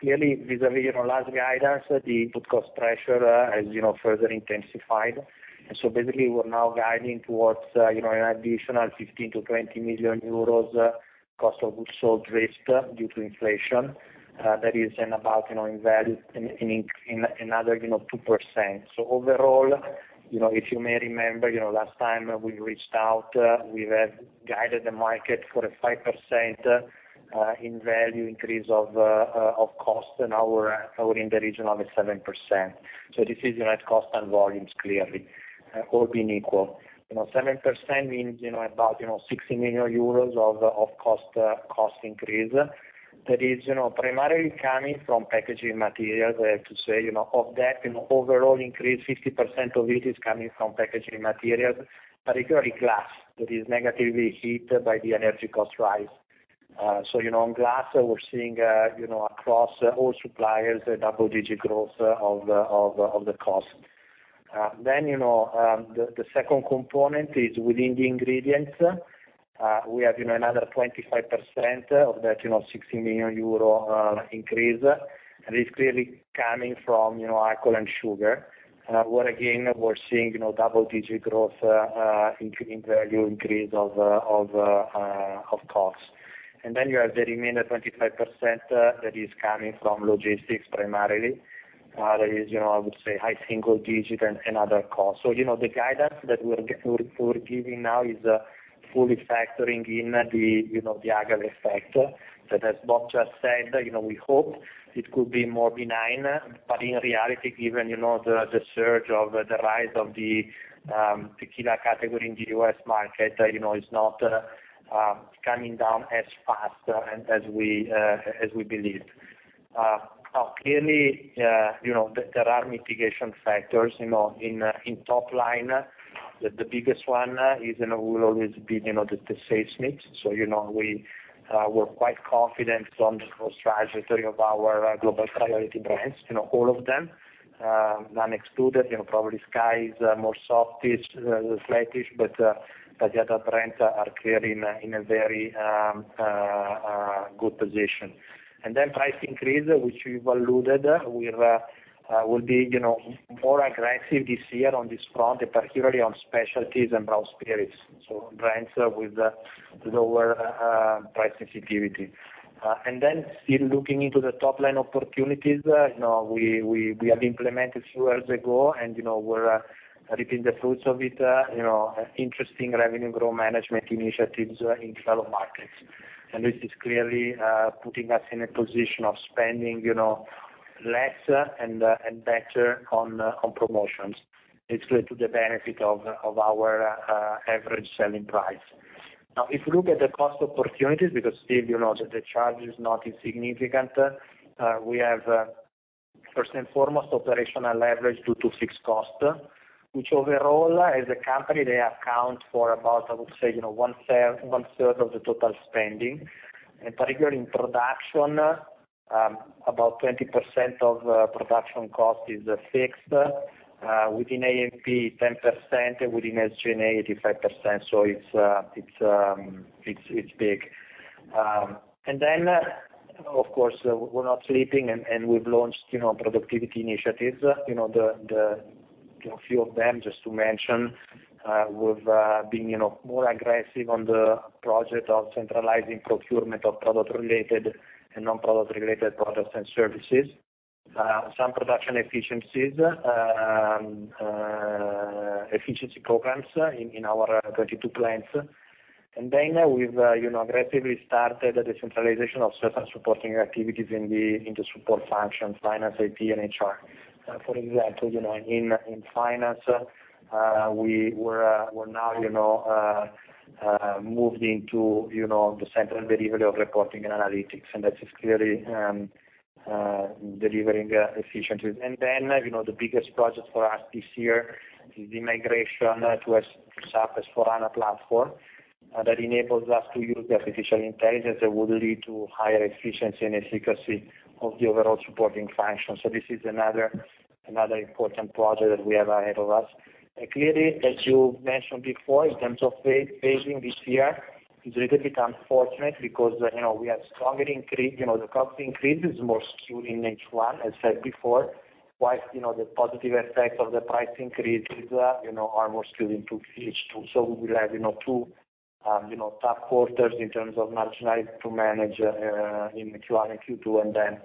Clearly vis-a-vis, you know, last guidance, the input cost pressure has, you know, further intensified. Basically we're now guiding towards, you know, an additional 15 million-20 million euros cost of goods sold risk due to inflation. That is in about, you know, in another, you know, 2%. Overall, you know, if you may remember, you know, last time we reached out, we had guided the market for a 5% in value increase of cost and now we're in the region of 7%. This is net cost and volumes clearly all being equal. You know, 7% means, you know, about 60 million euros of cost increase that is, you know, primarily coming from packaging materials, I have to say, you know. Of that, you know, overall increase, 50% of it is coming from packaging materials, particularly glass that is negatively hit by the energy cost rise. You know, on glass we're seeing, you know, across all suppliers a double-digit growth of the cost. You know, the second component is within the ingredients. We have, you know, another 25% of that, you know, 60 million euro increase and it's clearly coming from, you know, alcohol and sugar, where again, we're seeing, you know, double-digit growth in value increase of cost. You have the remaining 25%, that is coming from logistics primarily. That is, you know, I would say high single digit and other costs. You know, the guidance that we're giving now is fully factoring in the, you know, the agave effect that, as Bob just said, you know, we hope it could be more benign. In reality, given, you know, the surge of the rise of the tequila category in the U.S. market, you know, it's not coming down as fast as we believed. Clearly, you know, there are mitigation factors, you know, in top line. The biggest one is and will always be, you know, the sales mix. We're quite confident on the growth trajectory of our global priority brands, you know, all of them, none excluded. You know, probably SKYY is more softish, flattish but the other brands are clear in a very good position. Price increase, which we've alluded, will be, you know, more aggressive this year on this front, particularly on specialties and brown spirits, so brands with lower price sensitivity. Still looking into the top-line opportunities, you know, we have implemented a few years ago and, you know, we're reaping the fruits of it, you know, interesting revenue growth management initiatives in developed markets. This is clearly putting us in a position of spending, you know, less and better on promotions. It's clearly to the benefit of our average selling price. Now, if you look at the cost opportunities, because still, you know, the charge is not insignificant, we have first and foremost operational leverage due to fixed costs, which overall as a company, they account for about one third of the total spending. In particular in production, about 20% of production cost is fixed. Within A&P, 10%, within SG&A, 85%, so it's big. Then, of course, we're not sleeping and we've launched, you know, productivity initiatives. You know, a few of them, just to mention, we've been, you know, more aggressive on the project of centralizing procurement of product-related and non-product related products and services. Some production efficiencies, efficiency programs in our 22 plants. We've aggressively started the decentralization of certain supporting activities in the support function, finance, AP and HR. For example, in finance, we're now moved into the central delivery of reporting and analytics and that is clearly delivering efficiencies. You know, the biggest project for us this year is the migration to SAP S/4HANA platform, that enables us to use the artificial intelligence that would lead to higher efficiency and efficacy of the overall supporting functions. This is another important project that we have ahead of us. Clearly, as you mentioned before, in terms of pacing this year, it's a little bit unfortunate because, you know, we have stronger increase, you know, the cost increase is more skewed in H1, as said before, whilst, you know, the positive effect of the price increases, you know, are more skewed into H2. We will have, you know, two tough quarters in terms of margins to manage in Q1 and Q2 and then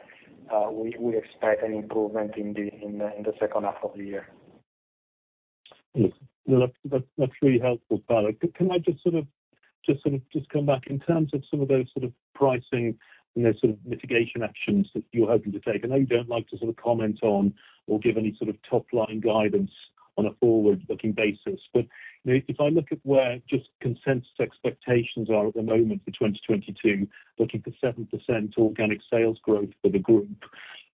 we expect an improvement in the second half of the year. Yes. No, that's really helpful, Paolo. Can I just sort of come back in terms of some of those sort of pricing and those sort of mitigation actions that you're hoping to take? I know you don't like to sort of comment on or give any sort of top-line guidance on a forward-looking basis but you know, if I look at where just consensus expectations are at the moment for 2022, looking for 7% organic sales growth for the group.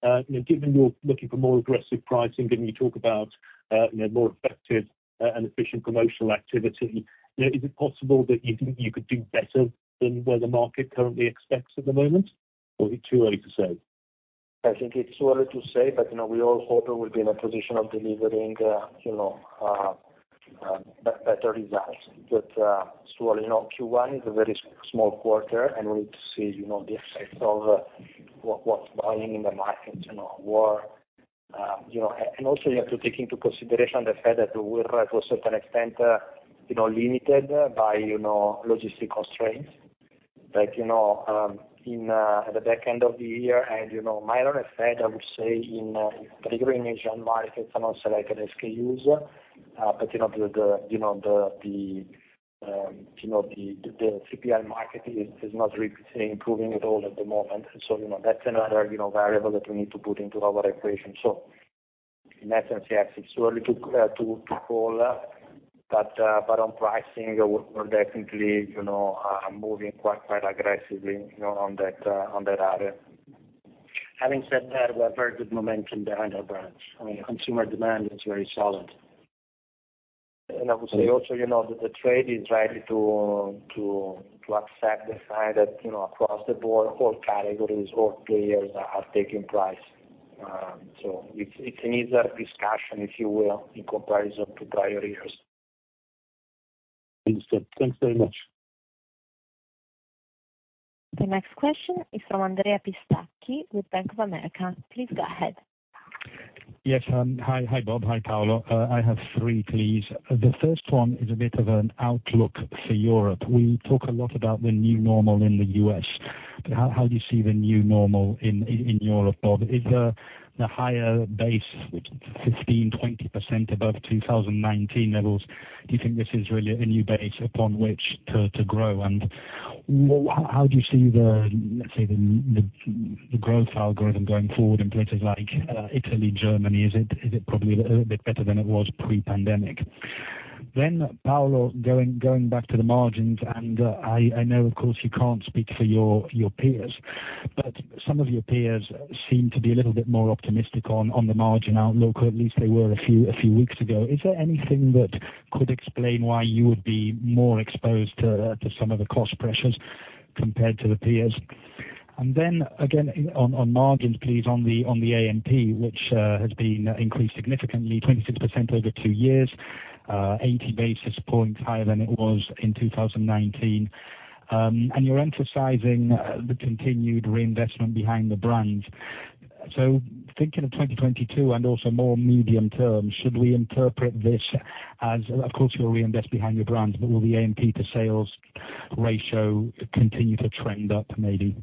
You know, given you're looking for more aggressive pricing, given you talk about you know, more effective and efficient promotional activity, you know, is it possible that you think you could do better than where the market currently expects at the moment or are we too early to say? I think it's too early to say but you know, we all hope we'll be in a position of delivering better results. It's too early, you know, Q1 is a very small quarter and we need to see the effect of what's buying in the markets, you know. You have to take into consideration the fact that we're to a certain extent limited by logistics constraints in the back end of the year and minor effect I would say, particularly in Asian markets and on selected SKUs. The CPG market is not improving at all at the moment. You know, that's another, you know, variable that we need to put into our equation. In essence, yes, it's too early to call but on pricing, we're definitely, you know, moving quite aggressively, you know, on that area. Having said that, we have very good momentum behind our brands. I mean, consumer demand is very solid. I would say also, you know, the trade is ready to accept the fact that, you know, across the board, all categories, all players are taking price. It's an easier discussion, if you will, in comparison to prior years. Understood. Thanks very much. The next question is from Andrea Pistacchi with Bank of America. Please go ahead. Yes. Hi, Bob. Hi, Paolo. I have three, please. The first one is a bit of an outlook for Europe. We talk a lot about the new normal in the U.S. but how do you see the new normal in Europe, Bob? Is the higher base with 15%-20% above 2019 levels, do you think this is really a new base upon which to grow? And how do you see the, let's say, the growth algorithm going forward in places like Italy, Germany? Is it probably a little bit better than it was pre-pandemic? Paolo, going back to the margins, I know of course you can't speak for your peers but some of your peers seem to be a little bit more optimistic on the margin outlook or at least they were a few weeks ago. Is there anything that could explain why you would be more exposed to some of the cost pressures compared to the peers? Then again, on margins, please, on the A&P, which has been increased significantly, 26% over two years, 80 basis points higher than it was in 2019. You're emphasizing the continued reinvestment behind the brands. Thinking of 2022 and also more medium term, should we interpret this as of course you'll reinvest behind the brands but will the A&P to sales ratio continue to trend up, maybe?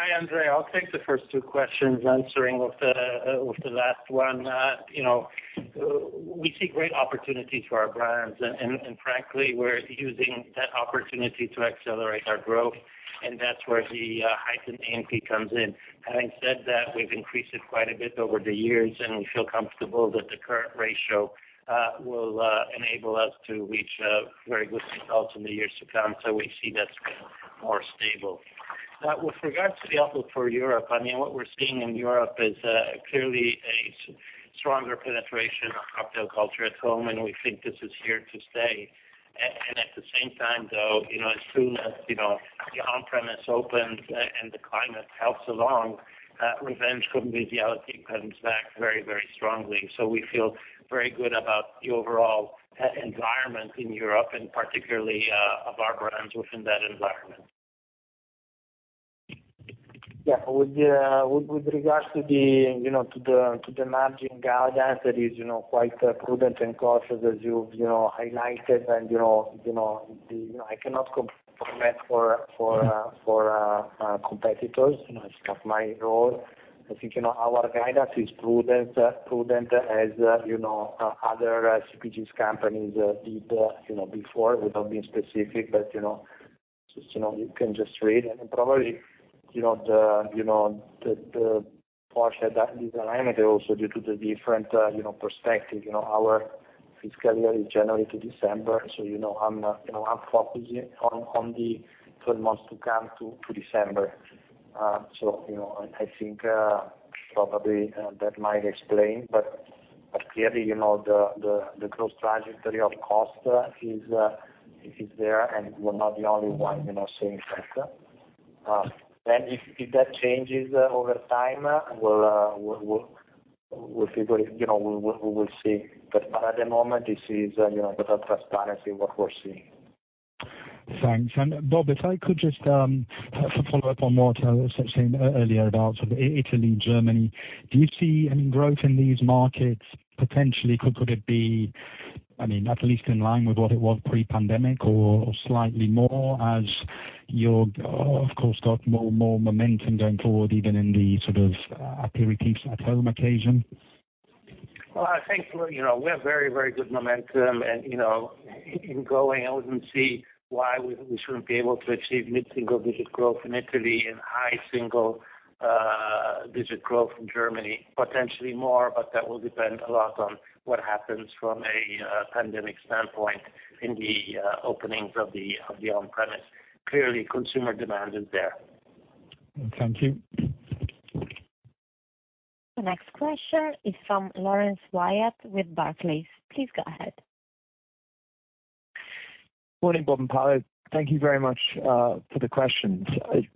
Hi, Andrea. I'll take the first two questions, answering with the last one. You know, we see great opportunity for our brands and frankly, we're using that opportunity to accelerate our growth and that's where the heightened A&P comes in. Having said that, we've increased it quite a bit over the years and we feel comfortable that the current ratio will enable us to reach very good results in the years to come. We see that's more stable. With regards to the outlook for Europe, I mean, what we're seeing in Europe is clearly a stronger penetration of cocktail culture at home and we think this is here to stay. At the same time though, you know, as soon as, you know, the on-premise opens and the climate helps along, return to normality comes back very, very strongly. We feel very good about the overall environment in Europe and particularly of our brands within that environment. Yeah. With regards to the margin guidance that is, you know, quite prudent and cautious as you've, you know, highlighted and you know, I cannot comment for competitors, you know, it's not my role. I think, you know, our guidance is prudent as, you know, other CPG companies did, you know, before without being specific. You know, just, you know, you can just read and probably, you know, the portion that is alignment is also due to the different, you know, perspective. You know, our fiscal year is January to December, so you know, I'm focusing on the 12 months to come to December. You know, I think probably that might explain. Clearly, you know, the growth trajectory of cost is there and we're not the only one, you know, seeing that. If that changes over time, we'll figure it. You know, we will see. At the moment it is, you know, with that transparency what we're seeing. Thanks. Bob, if I could just for follow-up on what Seth said earlier about sort of Italy and Germany. Do you see any growth in these markets potentially? Could it be, I mean, at least in line with what it was pre-pandemic or slightly more as your growth of course got more momentum going forward even in the sort of aperitifs at home occasion? Well, I think we're, you know, we have very, very good momentum and, you know, in going I wouldn't see why we shouldn't be able to achieve mid-single digit growth in Italy and high single digit growth in Germany, potentially more but that will depend a lot on what happens from a pandemic standpoint in the openings of the on-premise. Clearly, consumer demand is there. Thank you. The next question is from Laurence Whyatt with Barclays. Please go ahead. Morning, Bob and Paolo. Thank you very much for the questions.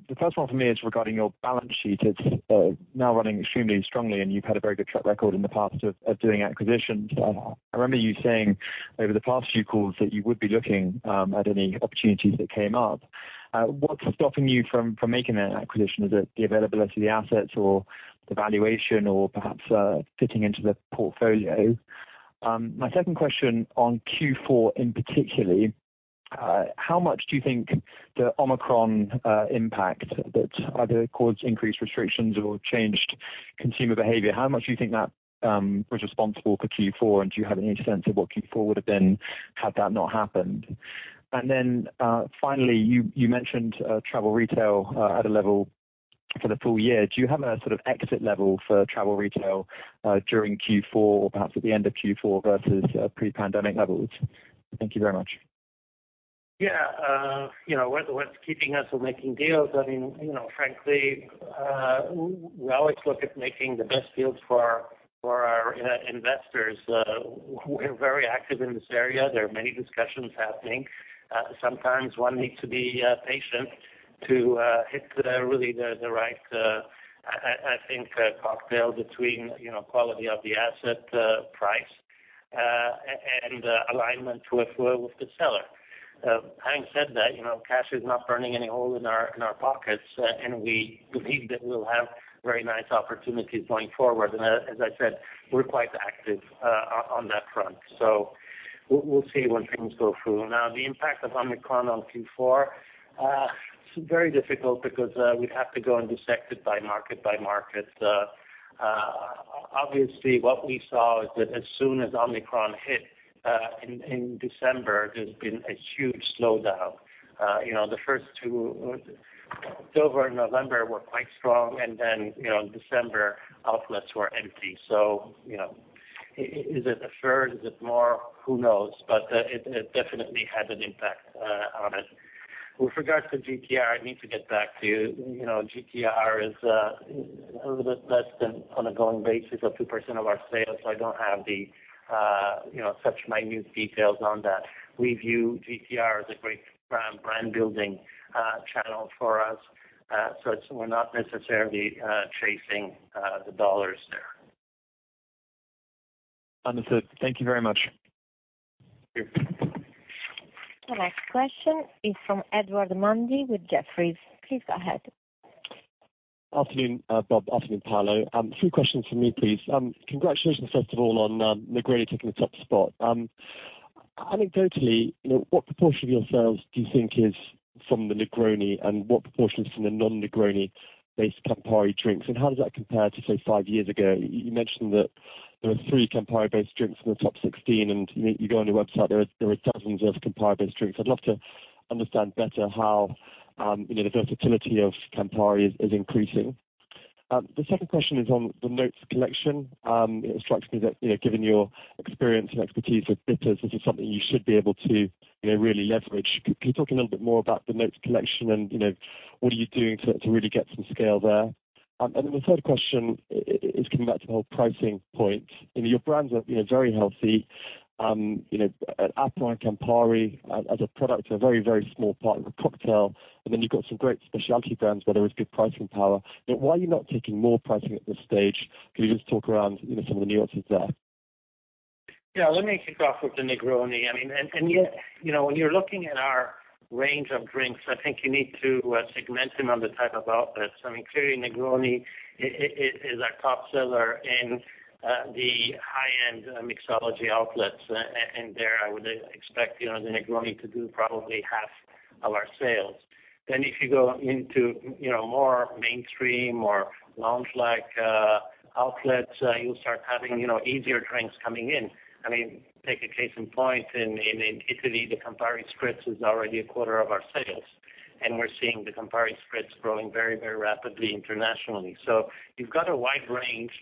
The first one for me is regarding your balance sheet. It's now running extremely strongly and you've had a very good track record in the past of doing acquisitions. I remember you saying over the past few calls that you would be looking at any opportunities that came up. What's stopping you from making that acquisition? Is it the availability of the assets or the valuation or perhaps fitting into the portfolio? My second question on Q4 in particular, how much do you think the Omicron impact that either caused increased restrictions or changed consumer behavior, how much do you think that was responsible for Q4? And do you have any sense of what Q4 would've been had that not happened? Finally, you mentioned travel retail at a level for the full year. Do you have a sort of exit level for travel retail during Q4 or perhaps at the end of Q4 versus pre-pandemic levels? Thank you very much. Yeah. You know, what's keeping us from making deals, I mean, you know, frankly, we always look at making the best deals for our investors. We're very active in this area. There are many discussions happening. Sometimes one needs to be patient to hit really the right, I think, cocktail between, you know, quality of the asset, price and alignment to a flow with the seller. Having said that, you know, cash is not burning any hole in our pockets and we believe that we'll have very nice opportunities going forward. As I said, we're quite active on that front. We'll see when things go through. Now, the impact of Omicron on Q4, it's very difficult because we'd have to go and dissect it by market by market. Obviously, what we saw is that as soon as Omicron hit in December, there's been a huge slowdown. You know, the first 2 October and November were quite strong and then, you know, December outlets were empty. Is it a third? Is it more? Who knows? But it definitely had an impact on it. With regards to GTR, I need to get back to you. You know, GTR is a little bit less than on a going basis of 2% of our sales. So I don't have the you know, such minute details on that. We view GTR as a great brand building channel for us. We're not necessarily chasing the dollars there. Understood. Thank you very much. Thank you. The next question is from Edward Mundy with Jefferies. Please go ahead. Afternoon, Bob, afternoon, Paolo. Three questions from me, please. Congratulations, first of all, on Negroni taking the top spot. Anecdotally, you know, what proportion of your sales do you think is from the Negroni and what proportion is from the non-Negroni based Campari drinks and how does that compare to, say, five years ago? You mentioned that there are three Campari-based drinks in the top 16 and you go on your website, there are dozens of Campari-based drinks. I'd love to understand better how, you know, the versatility of Campari is increasing. The second question is on the Notes Collection. It strikes me that, you know, given your experience and expertise with bitters, this is something you should be able to, you know, really leverage. Can you talk a little bit more about the Notes Collection and, you know, what are you doing to really get some scale there? Then the third question is coming back to the whole pricing point. You know, your brands are, you know, very healthy. You know, Aperol and Campari as a product are a very, very small part of a cocktail and then you've got some great specialty brands where there is good pricing power. You know, why are you not taking more pricing at this stage? Can you just talk around, you know, some of the nuances there? Yeah. Let me kick off with the Negroni. I mean, yet you know, when you're looking at our range of drinks, I think you need to segment them on the type of outlets. I mean, clearly Negroni is a top seller in the high-end mixology outlets. There I would expect you know, the Negroni to do probably half of our sales. If you go into you know, more mainstream or lounge like outlets, you'll start having you know, easier drinks coming in. I mean, take a case in point. In Italy, the Campari Spritz is already a quarter of our sales and we're seeing the Campari Spritz growing very rapidly internationally. You've got a wide range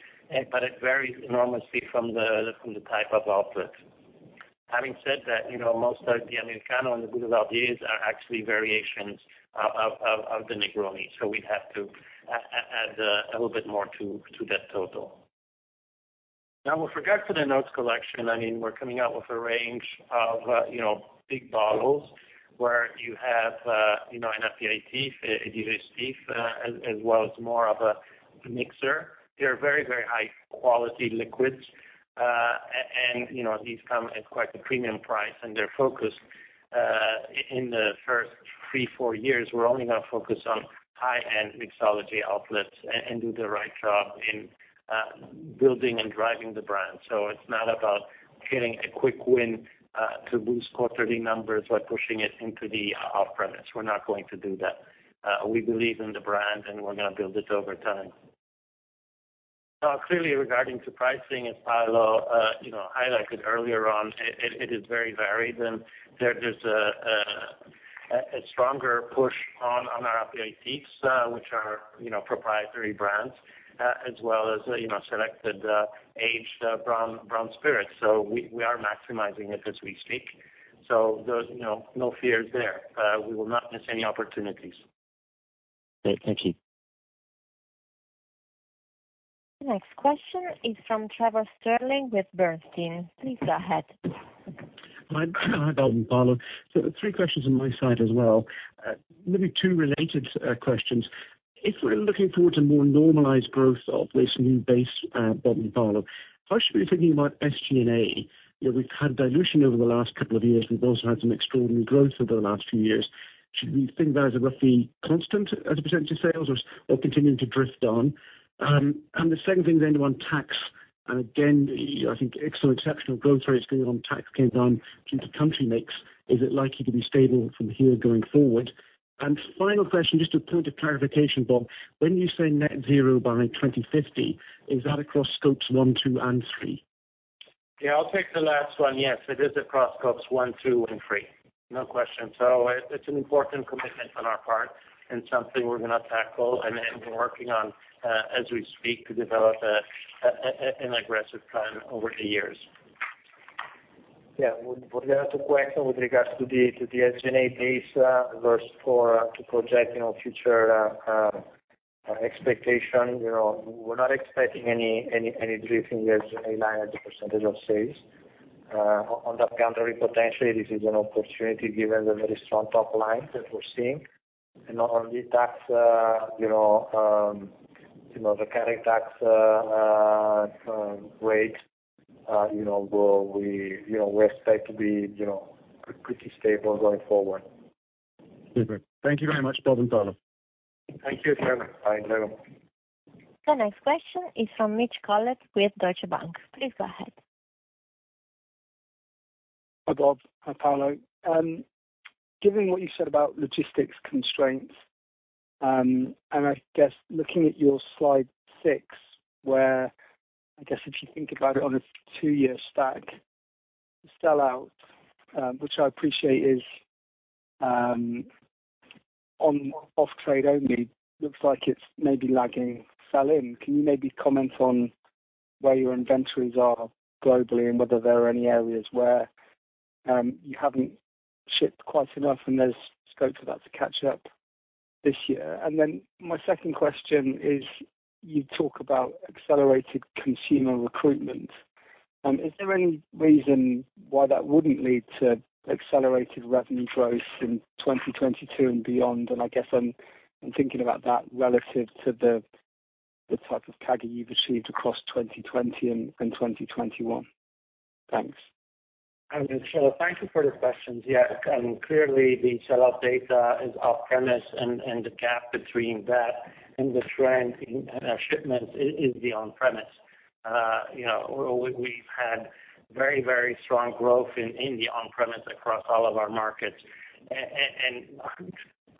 but it varies enormously from the type of outlet. Having said that, most of the Americano and the Boulevardiers are actually variations of the Negroni. We'd have to add a little bit more to that total. Now, with regards to the Notes Collection, we're coming out with a range of big bottles where you have an aperitif, a digestif, as well as more of a mixer. They're very, very high quality liquids. These come at quite a premium price and they're focused in the first three-four years. We're only gonna focus on high-end mixology outlets and do the right job in building and driving the brand. It's not about getting a quick win to boost quarterly numbers by pushing it into the off-premise. We're not going to do that. We believe in the brand and we're gonna build it over time. Clearly regarding to pricing, as Paolo, you know, highlighted earlier on, it is very varied and there's a stronger push on our aperitifs, which are, you know, proprietary brands, as well as, you know, selected aged brown spirits. We are maximizing it as we speak. There's no fears there. We will not miss any opportunities. Great. Thank you. Next question is from Trevor Stirling with Bernstein. Please go ahead. Hi. Hi, Bob and Paolo. Three questions on my side as well. Maybe two related questions. If we're looking forward to more normalized growth of this new base, Bob and Paolo, how should we be thinking about SG&A? You know, we've had dilution over the last couple of years. We've also had some extraordinary growth over the last few years. Should we think about it as a roughly constant as a percentage of sales or continuing to drift on? The second thing on tax and again, I think exceptional growth rates going on, tax came down due to country mix. Is it likely to be stable from here going forward? Final question, just a point of clarification, Bob. When you say net zero by 2050, is that across scopes 1, 2 and 3? Yeah, I'll take the last one. Yes, it is across scopes one, two and three. No question. It's an important commitment on our part and something we're gonna tackle and we're working on as we speak to develop an aggressive plan over the years. Yeah. With regards to the question with regards to the SG&A base versus forecast to project future expectation. You know, we're not expecting any drift in the SG&A line as a percentage of sales. On the contrary, potentially this is an opportunity given the very strong top line that we're seeing. On the tax, you know, the current tax rate, you know, we expect to be pretty stable going forward. Super. Thank you very much, Bob and Paolo. Thank you, Trevor. Bye, Trevor. The next question is from Mitch Collett with Deutsche Bank. Please go ahead. Hi, Bob. Hi, Paolo. Given what you said about logistics constraints and I guess looking at your slide 6, where I guess if you think about it on a two-year stack, the sellout, which I appreciate is, on off-trade only, looks like it's maybe lagging sell-in. Can you maybe comment on where your inventories are globally and whether there are any areas where you haven't shipped quite enough and there's scope for that to catch up this year? And then my second question is you talk about accelerated consumer recruitment. Is there any reason why that wouldn't lead to accelerated revenue growth in 2022 and beyond? And I guess I'm thinking about that relative to the type of CAGR you've achieved across 2020 and 2021. Thanks. Hi, Mitch. Thank you for the questions. Yeah. Clearly the sellout data is off-premise and the gap between that and the trend in shipments is the on-premise. You know, we've had very strong growth in the on-premise across all of our markets.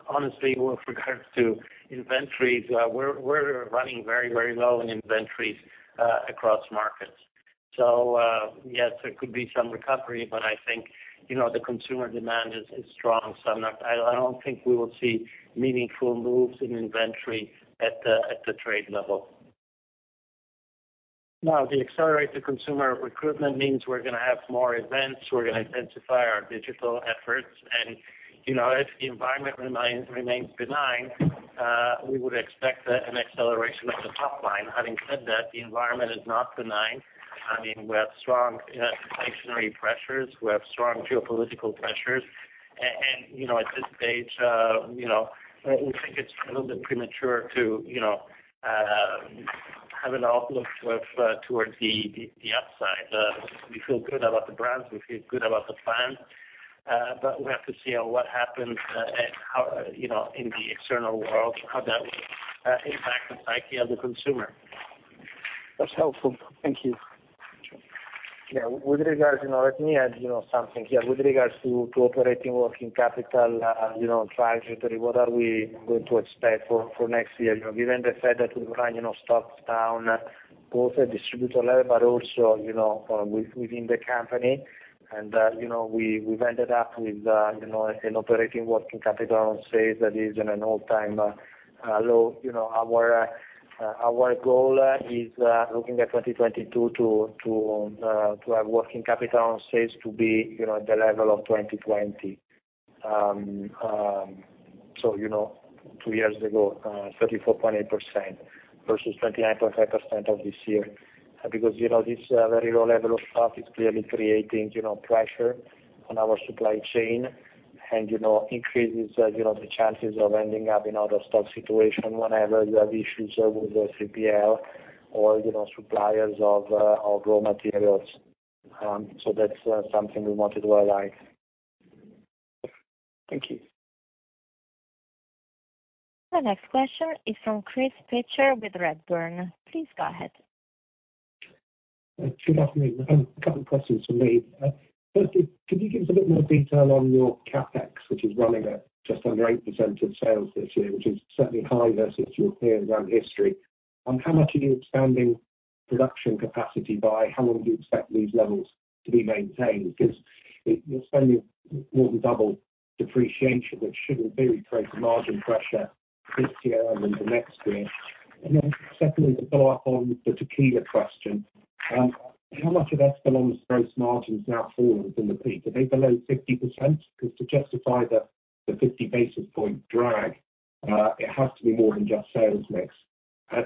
Honestly, with regards to inventories, we're running very low in inventories across markets. Yes, there could be some recovery but I think, you know, the consumer demand is strong, so I don't think we will see meaningful moves in inventory at the trade level. No, the accelerated consumer recruitment means we're gonna have more events. We're gonna intensify our digital efforts. You know, if the environment remains benign, we would expect an acceleration of the top line. Having said that, the environment is not benign. I mean, we have strong inflationary pressures. We have strong geopolitical pressures. You know, at this stage, you know, we think it's a little bit premature to, you know, have an outlook with towards the upside. We feel good about the brands. We feel good about the fans. We have to see what happens and how, you know, in the external world, how that will impact the psyche of the consumer. That's helpful. Thank you. Yeah, with regards, you know, let me add, you know, something here. With regards to operating working capital trajectory, what are we going to expect for next year? You know, given the fact that we run stocks down both at distributor level but also within the company and we’ve ended up with an operating working capital on sales that is in an all-time low. You know, our goal is looking at 2022 to have working capital on sales to be at the level of 2020. So, two years ago, 34.8% versus 29.5% of this year. Because, you know, this very low level of stock is clearly creating, you know, pressure on our supply chain and, you know, increases, you know, the chances of ending up in out-of-stock situation whenever you have issues with the CPL or, you know, suppliers of raw materials. That's something we want to do our like. Thank you. The next question is from Chris Pitcher with Redburn. Please go ahead. Good afternoon. A couple questions from me. Firstly, could you give us a bit more detail on your CapEx, which is running at just under 8% of sales this year, which is certainly high versus your peers and historically? How much are you expanding production capacity by? How long do you expect these levels to be maintained? Because you're spending more than double depreciation, which shouldn't be creating the margin pressure this year and then the next year. Secondly, to follow up on the tequila question, how much have Espolón's gross margins now fallen from the peak? Are they below 50%? Because to justify the 50 basis points drag, it has to be more than just sales mix.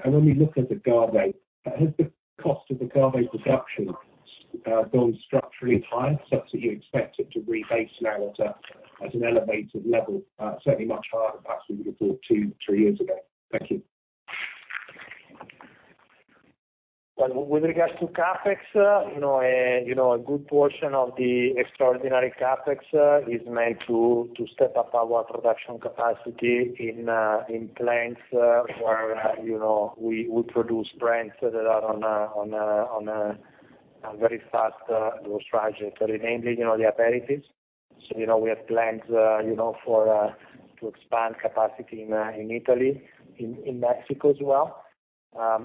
When we look at agave, has the cost of the agave production gone structurally higher, such that you expect it to rebase now at an elevated level, certainly much higher than perhaps when you bought two, three years ago? Thank you. Well, with regards to CapEx, you know, a good portion of the extraordinary CapEx is made to step up our production capacity in plants where you know we produce brands that are on very fast growth trajectory, mainly you know the aperitifs. You know we have plans to expand capacity in Italy, in Mexico as well.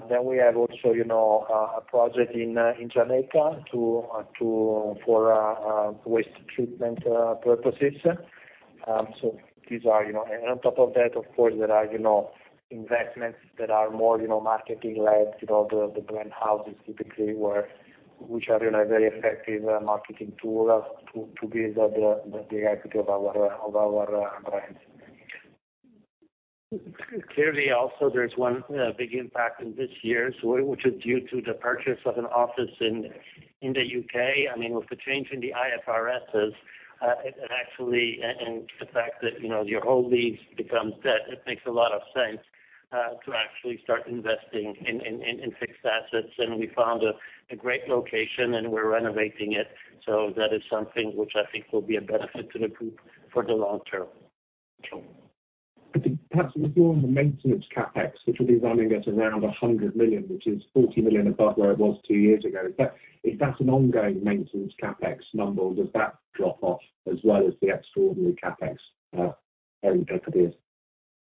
Then we have also you know a project in Jamaica for waste treatment purposes. These are you know. On top of that, of course, there are you know investments that are more you know marketing led, you know the brand houses typically where. Which are, you know, very effective marketing tool to build up the equity of our brands. Clearly, also, there's one big impact in this year's, which is due to the purchase of an office in the U.K. I mean, with the change in the IFRS, it actually and the fact that, you know, your whole lease becomes debt, it makes a lot of sense to actually start investing in fixed assets. We found a great location and we're renovating it. That is something which I think will be a benefit to the group for the long term. Perhaps if you're on the maintenance CapEx, which will be running at around 100 million, which is 40 million above where it was two years ago, is that an ongoing maintenance CapEx number or does that drop off as well as the extraordinary CapEx going forward?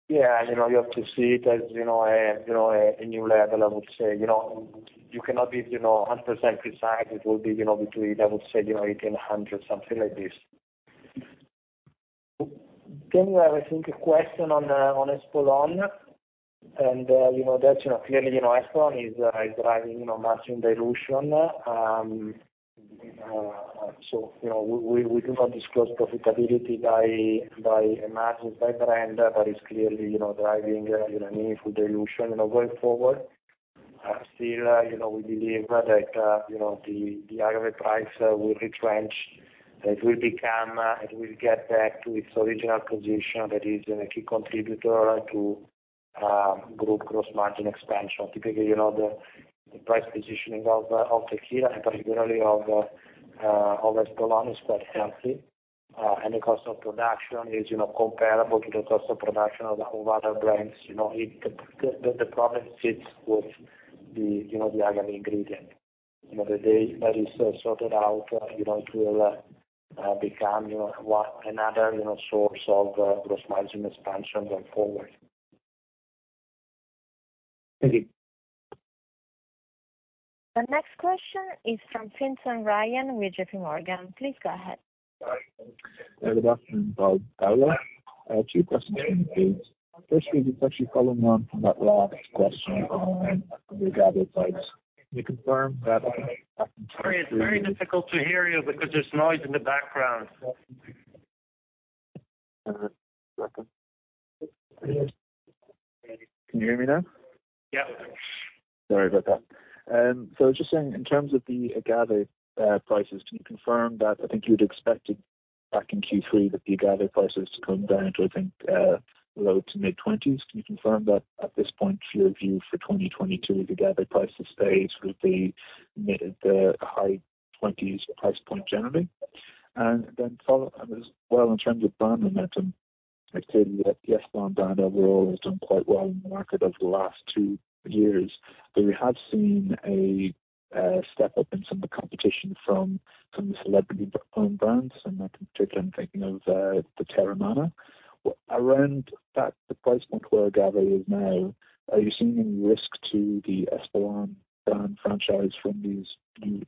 Yeah. You know, you have to see it as a new level. I would say, you know, you cannot be 100% precise. It will be between, I would say, 1,800, something like this. You have, I think, a question on Espolòn. You know, that's clearly Espolòn is driving margin dilution. We do not disclose profitability by a margin, by brand but it's clearly driving meaningful dilution going forward. Still, you know, we believe that the agave price will retrench. It will become. It will get back to its original position that is a key contributor to group gross margin expansion. Typically, you know, the price positioning of tequila and particularly of Espolòn is quite healthy. The cost of production is, you know, comparable to the cost of production of other brands. You know, it. The problem sits with the, you know, the agave ingredient. You know, the day that is sorted out, you know, it will become, you know, another source of gross margin expansion going forward. Thank you. The next question is from Ryan Simpson with JPMorgan. Please go ahead. Good afternoon, Paolo. I have two questions from me, please. Firstly, just actually following on from that last question on the agave price. Can you confirm that? Sorry, it's very difficult to hear you because there's noise in the background. One second. Can you hear me now? Yeah. Sorry about that. Just saying in terms of the agave prices, can you confirm that I think you'd expected back in Q3 that the agave prices to come down to, I think, low-to-mid 20s MXN? Can you confirm that at this point your view for 2022, the agave price will stay sort of the mid- to high 20s MXN price point generally? As well in terms of brand momentum, I'd say that the Espolòn brand overall has done quite well in the market over the last two years but we have seen a step up in some of the competition from some of the celebrity-owned brands and in particular I'm thinking of the Teremana. Around that, the price point where agave is now, are you seeing any risk to the Espolòn brand franchise from these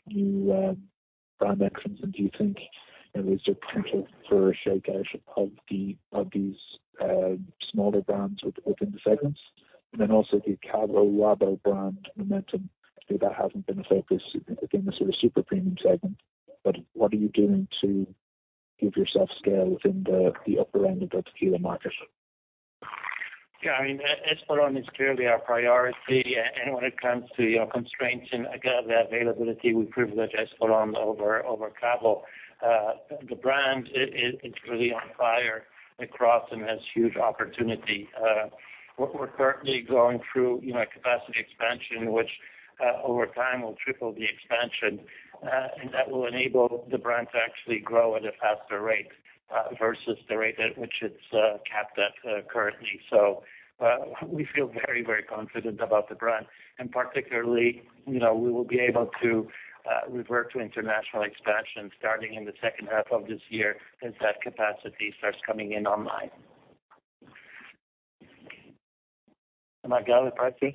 new brand entrants? Do you think there is the potential for a shakeout of these smaller brands within the segments? Also the Cabo Wabo brand momentum, I know that hasn't been a focus within the sort of super premium segment but what are you doing to give yourself scale within the upper end of the tequila market? Yeah, I mean, Espolòn is clearly our priority and when it comes to, you know, constraints in agave availability, we privilege Espolòn over Cabo. The brand is really on fire across and has huge opportunity. We're currently going through, you know, a capacity expansion which, over time will triple the expansion and that will enable the brand to actually grow at a faster rate, versus the rate at which it's capped at currently. So, we feel very confident about the brand and particularly, you know, we will be able to revert to international expansion starting in the second half of this year as that capacity starts coming in online. On agave prices?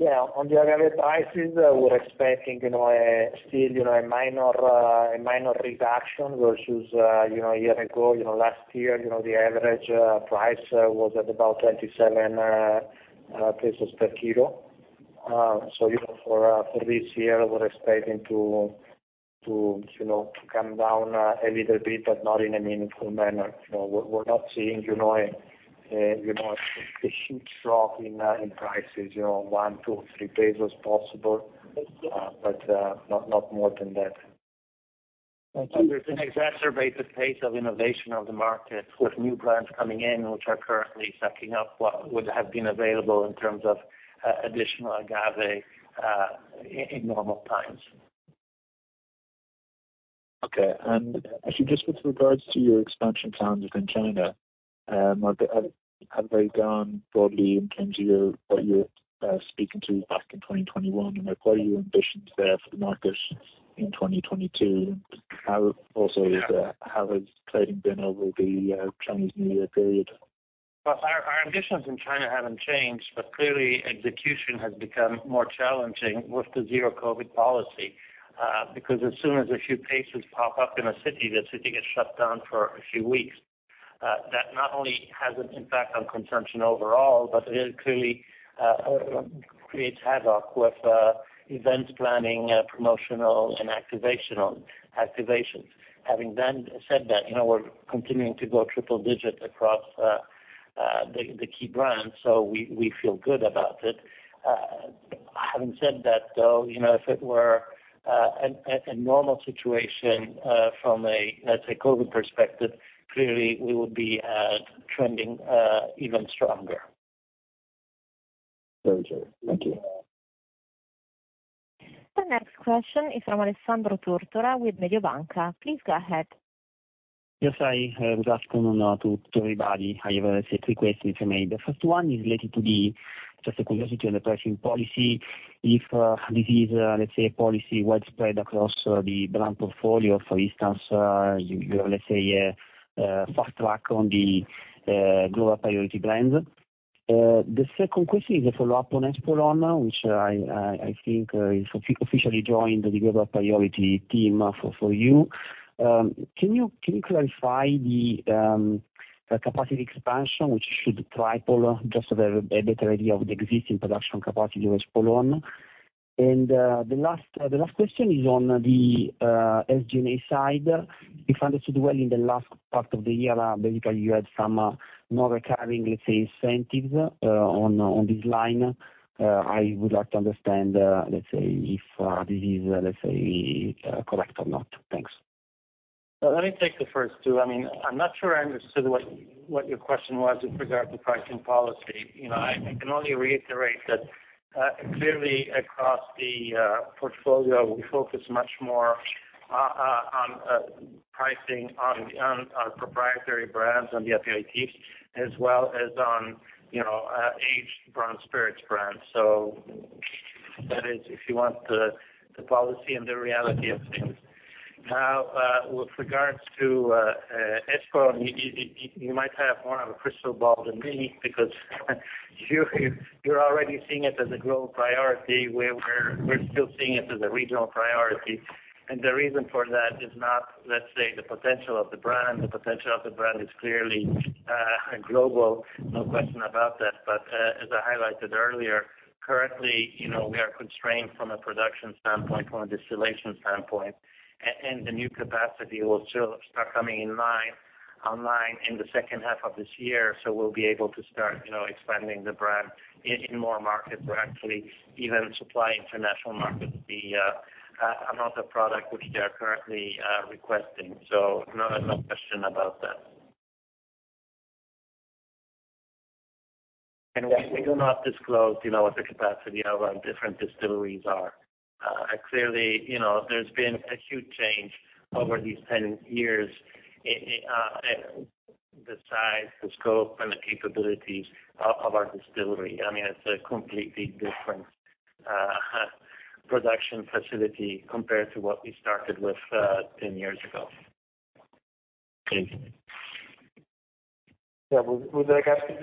Yeah, on the agave prices, we're expecting, you know, a still minor reduction versus, you know, a year ago. You know, last year, you know, the average price was at about 27 pesos per kilo. You know, for this year, we're expecting to come down a little bit but not in a meaningful manner. You know, we're not seeing, you know, a huge drop in prices. You know, 1, 2, 3 possible but not more than that. Thank you. There's an exacerbated pace of innovation of the market with new brands coming in which are currently sucking up what would have been available in terms of additional agave in normal times. Okay. Actually just with regards to your expansion plans within China, have they gone broadly in terms of your, what you were speaking to back in 2021? Like, what are your ambitions there for the market in 2022? Also, how has trading been over the Chinese New Year period? Well, our ambitions in China haven't changed but clearly execution has become more challenging with the Zero-COVID policy. Because as soon as a few cases pop up in a city, the city gets shut down for a few weeks. That not only has an impact on consumption overall but it clearly creates havoc with events planning, promotional and activations. Having said that, you know, we're continuing to grow triple digits across the key brands, so we feel good about it. Having said that, though, you know, if it were at a normal situation from a, let's say COVID perspective, clearly we would be trending even stronger. Very true. Thank you. The next question is from Alessandro Tortora with Mediobanca. Please go ahead. Yes. I was asking to everybody. I have, let's say, three questions for me. The first one is related to the just a curiosity on the pricing policy. If this is, let's say, a policy widespread across the brand portfolio, for instance, you know, let's say fast track on the global priority brands. The second question is a follow-up on Espolòn, which I think is officially joined the global priority team for you. Can you clarify the capacity expansion which should triple just to have a better idea of the existing production capacity with Espolòn? The last question is on the SG&A side. If I understood well, in the last part of the year, basically you had some non-recurring, let's say, incentives on this line. I would like to understand, let's say if this is, let's say, correct or not. Thanks. Let me take the first two. I mean, I'm not sure I understood what your question was with regard to pricing policy. You know, I can only reiterate that clearly across the portfolio, we focus much more on pricing on our proprietary brands, on the aperitifs, as well as on, you know, aged brown spirits brands. So that is if you want the policy and the reality of things. Now, with regards to Espolòn, you might have more of a crystal ball than me because you're already seeing it as a global priority where we're still seeing it as a regional priority. The reason for that is not, let's say, the potential of the brand. The potential of the brand is clearly global, no question about that. As I highlighted earlier, currently, we are constrained from a production standpoint, from a distillation standpoint and the new capacity will still start coming online in the second half of this year. We'll be able to start expanding the brand in more markets or actually even supply international markets the amount of product which they are currently requesting. No question about that. We do not disclose what the capacity of our different distilleries are. Clearly, there's been a huge change over these 10 years in the size, the scope and the capabilities of our distillery. I mean, it's a completely different production facility compared to what we started with 10 years ago. Thank you. Yeah. With regards to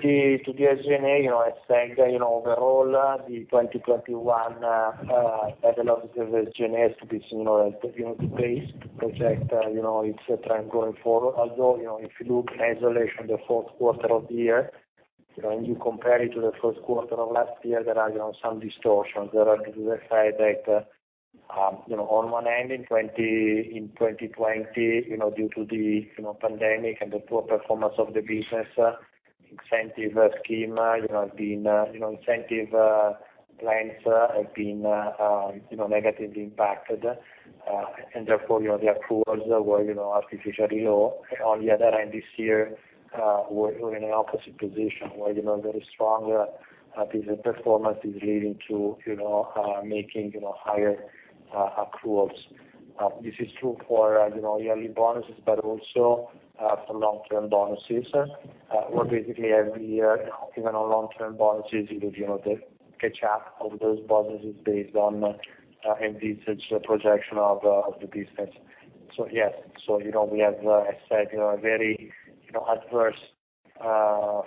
the SG&A, you know, I think, you know, overall, the 2021 level of the SG&A is to be seen as, you know, the base to project, you know, et cetera, going forward. Although, you know, if you look in isolation the fourth quarter of the year, you know and you compare it to the first quarter of last year, there are, you know, some distortions due to the fact that, you know, on one hand in 2020, you know, due to the pandemic and the poor performance of the business, the incentive plans have been negatively impacted and therefore, you know, the accruals were artificially low. On the other end, this year, we're in an opposite position where, you know, very strong business performance is leading to, you know, making higher accruals. This is true for, you know, yearly bonuses but also for long-term bonuses. We're basically every year, you know, even on long-term bonuses, you know, the catch up of those bonuses based on indeed such projection of the business. Yes, you know, we have, as said, you know, a very adverse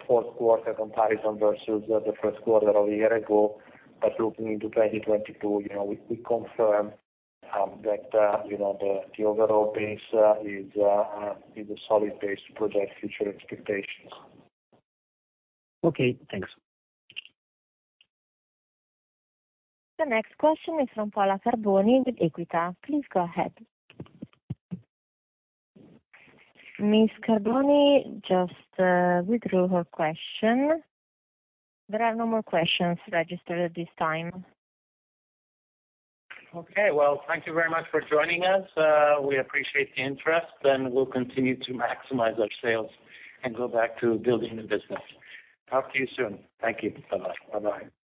fourth quarter comparison versus the first quarter of a year ago. But looking into 2022, you know, we confirm that, you know, the overall base is a solid base to project future expectations. Okay, thanks. The next question is from Paola Carboni with Equita. Please go ahead. Ms. Carboni just withdrew her question. There are no more questions registered at this time. Okay. Well, thank you very much for joining us. We appreciate the interest and we'll continue to maximize our sales and go back to building the business. Talk to you soon. Thank you. Bye-bye. Bye-bye.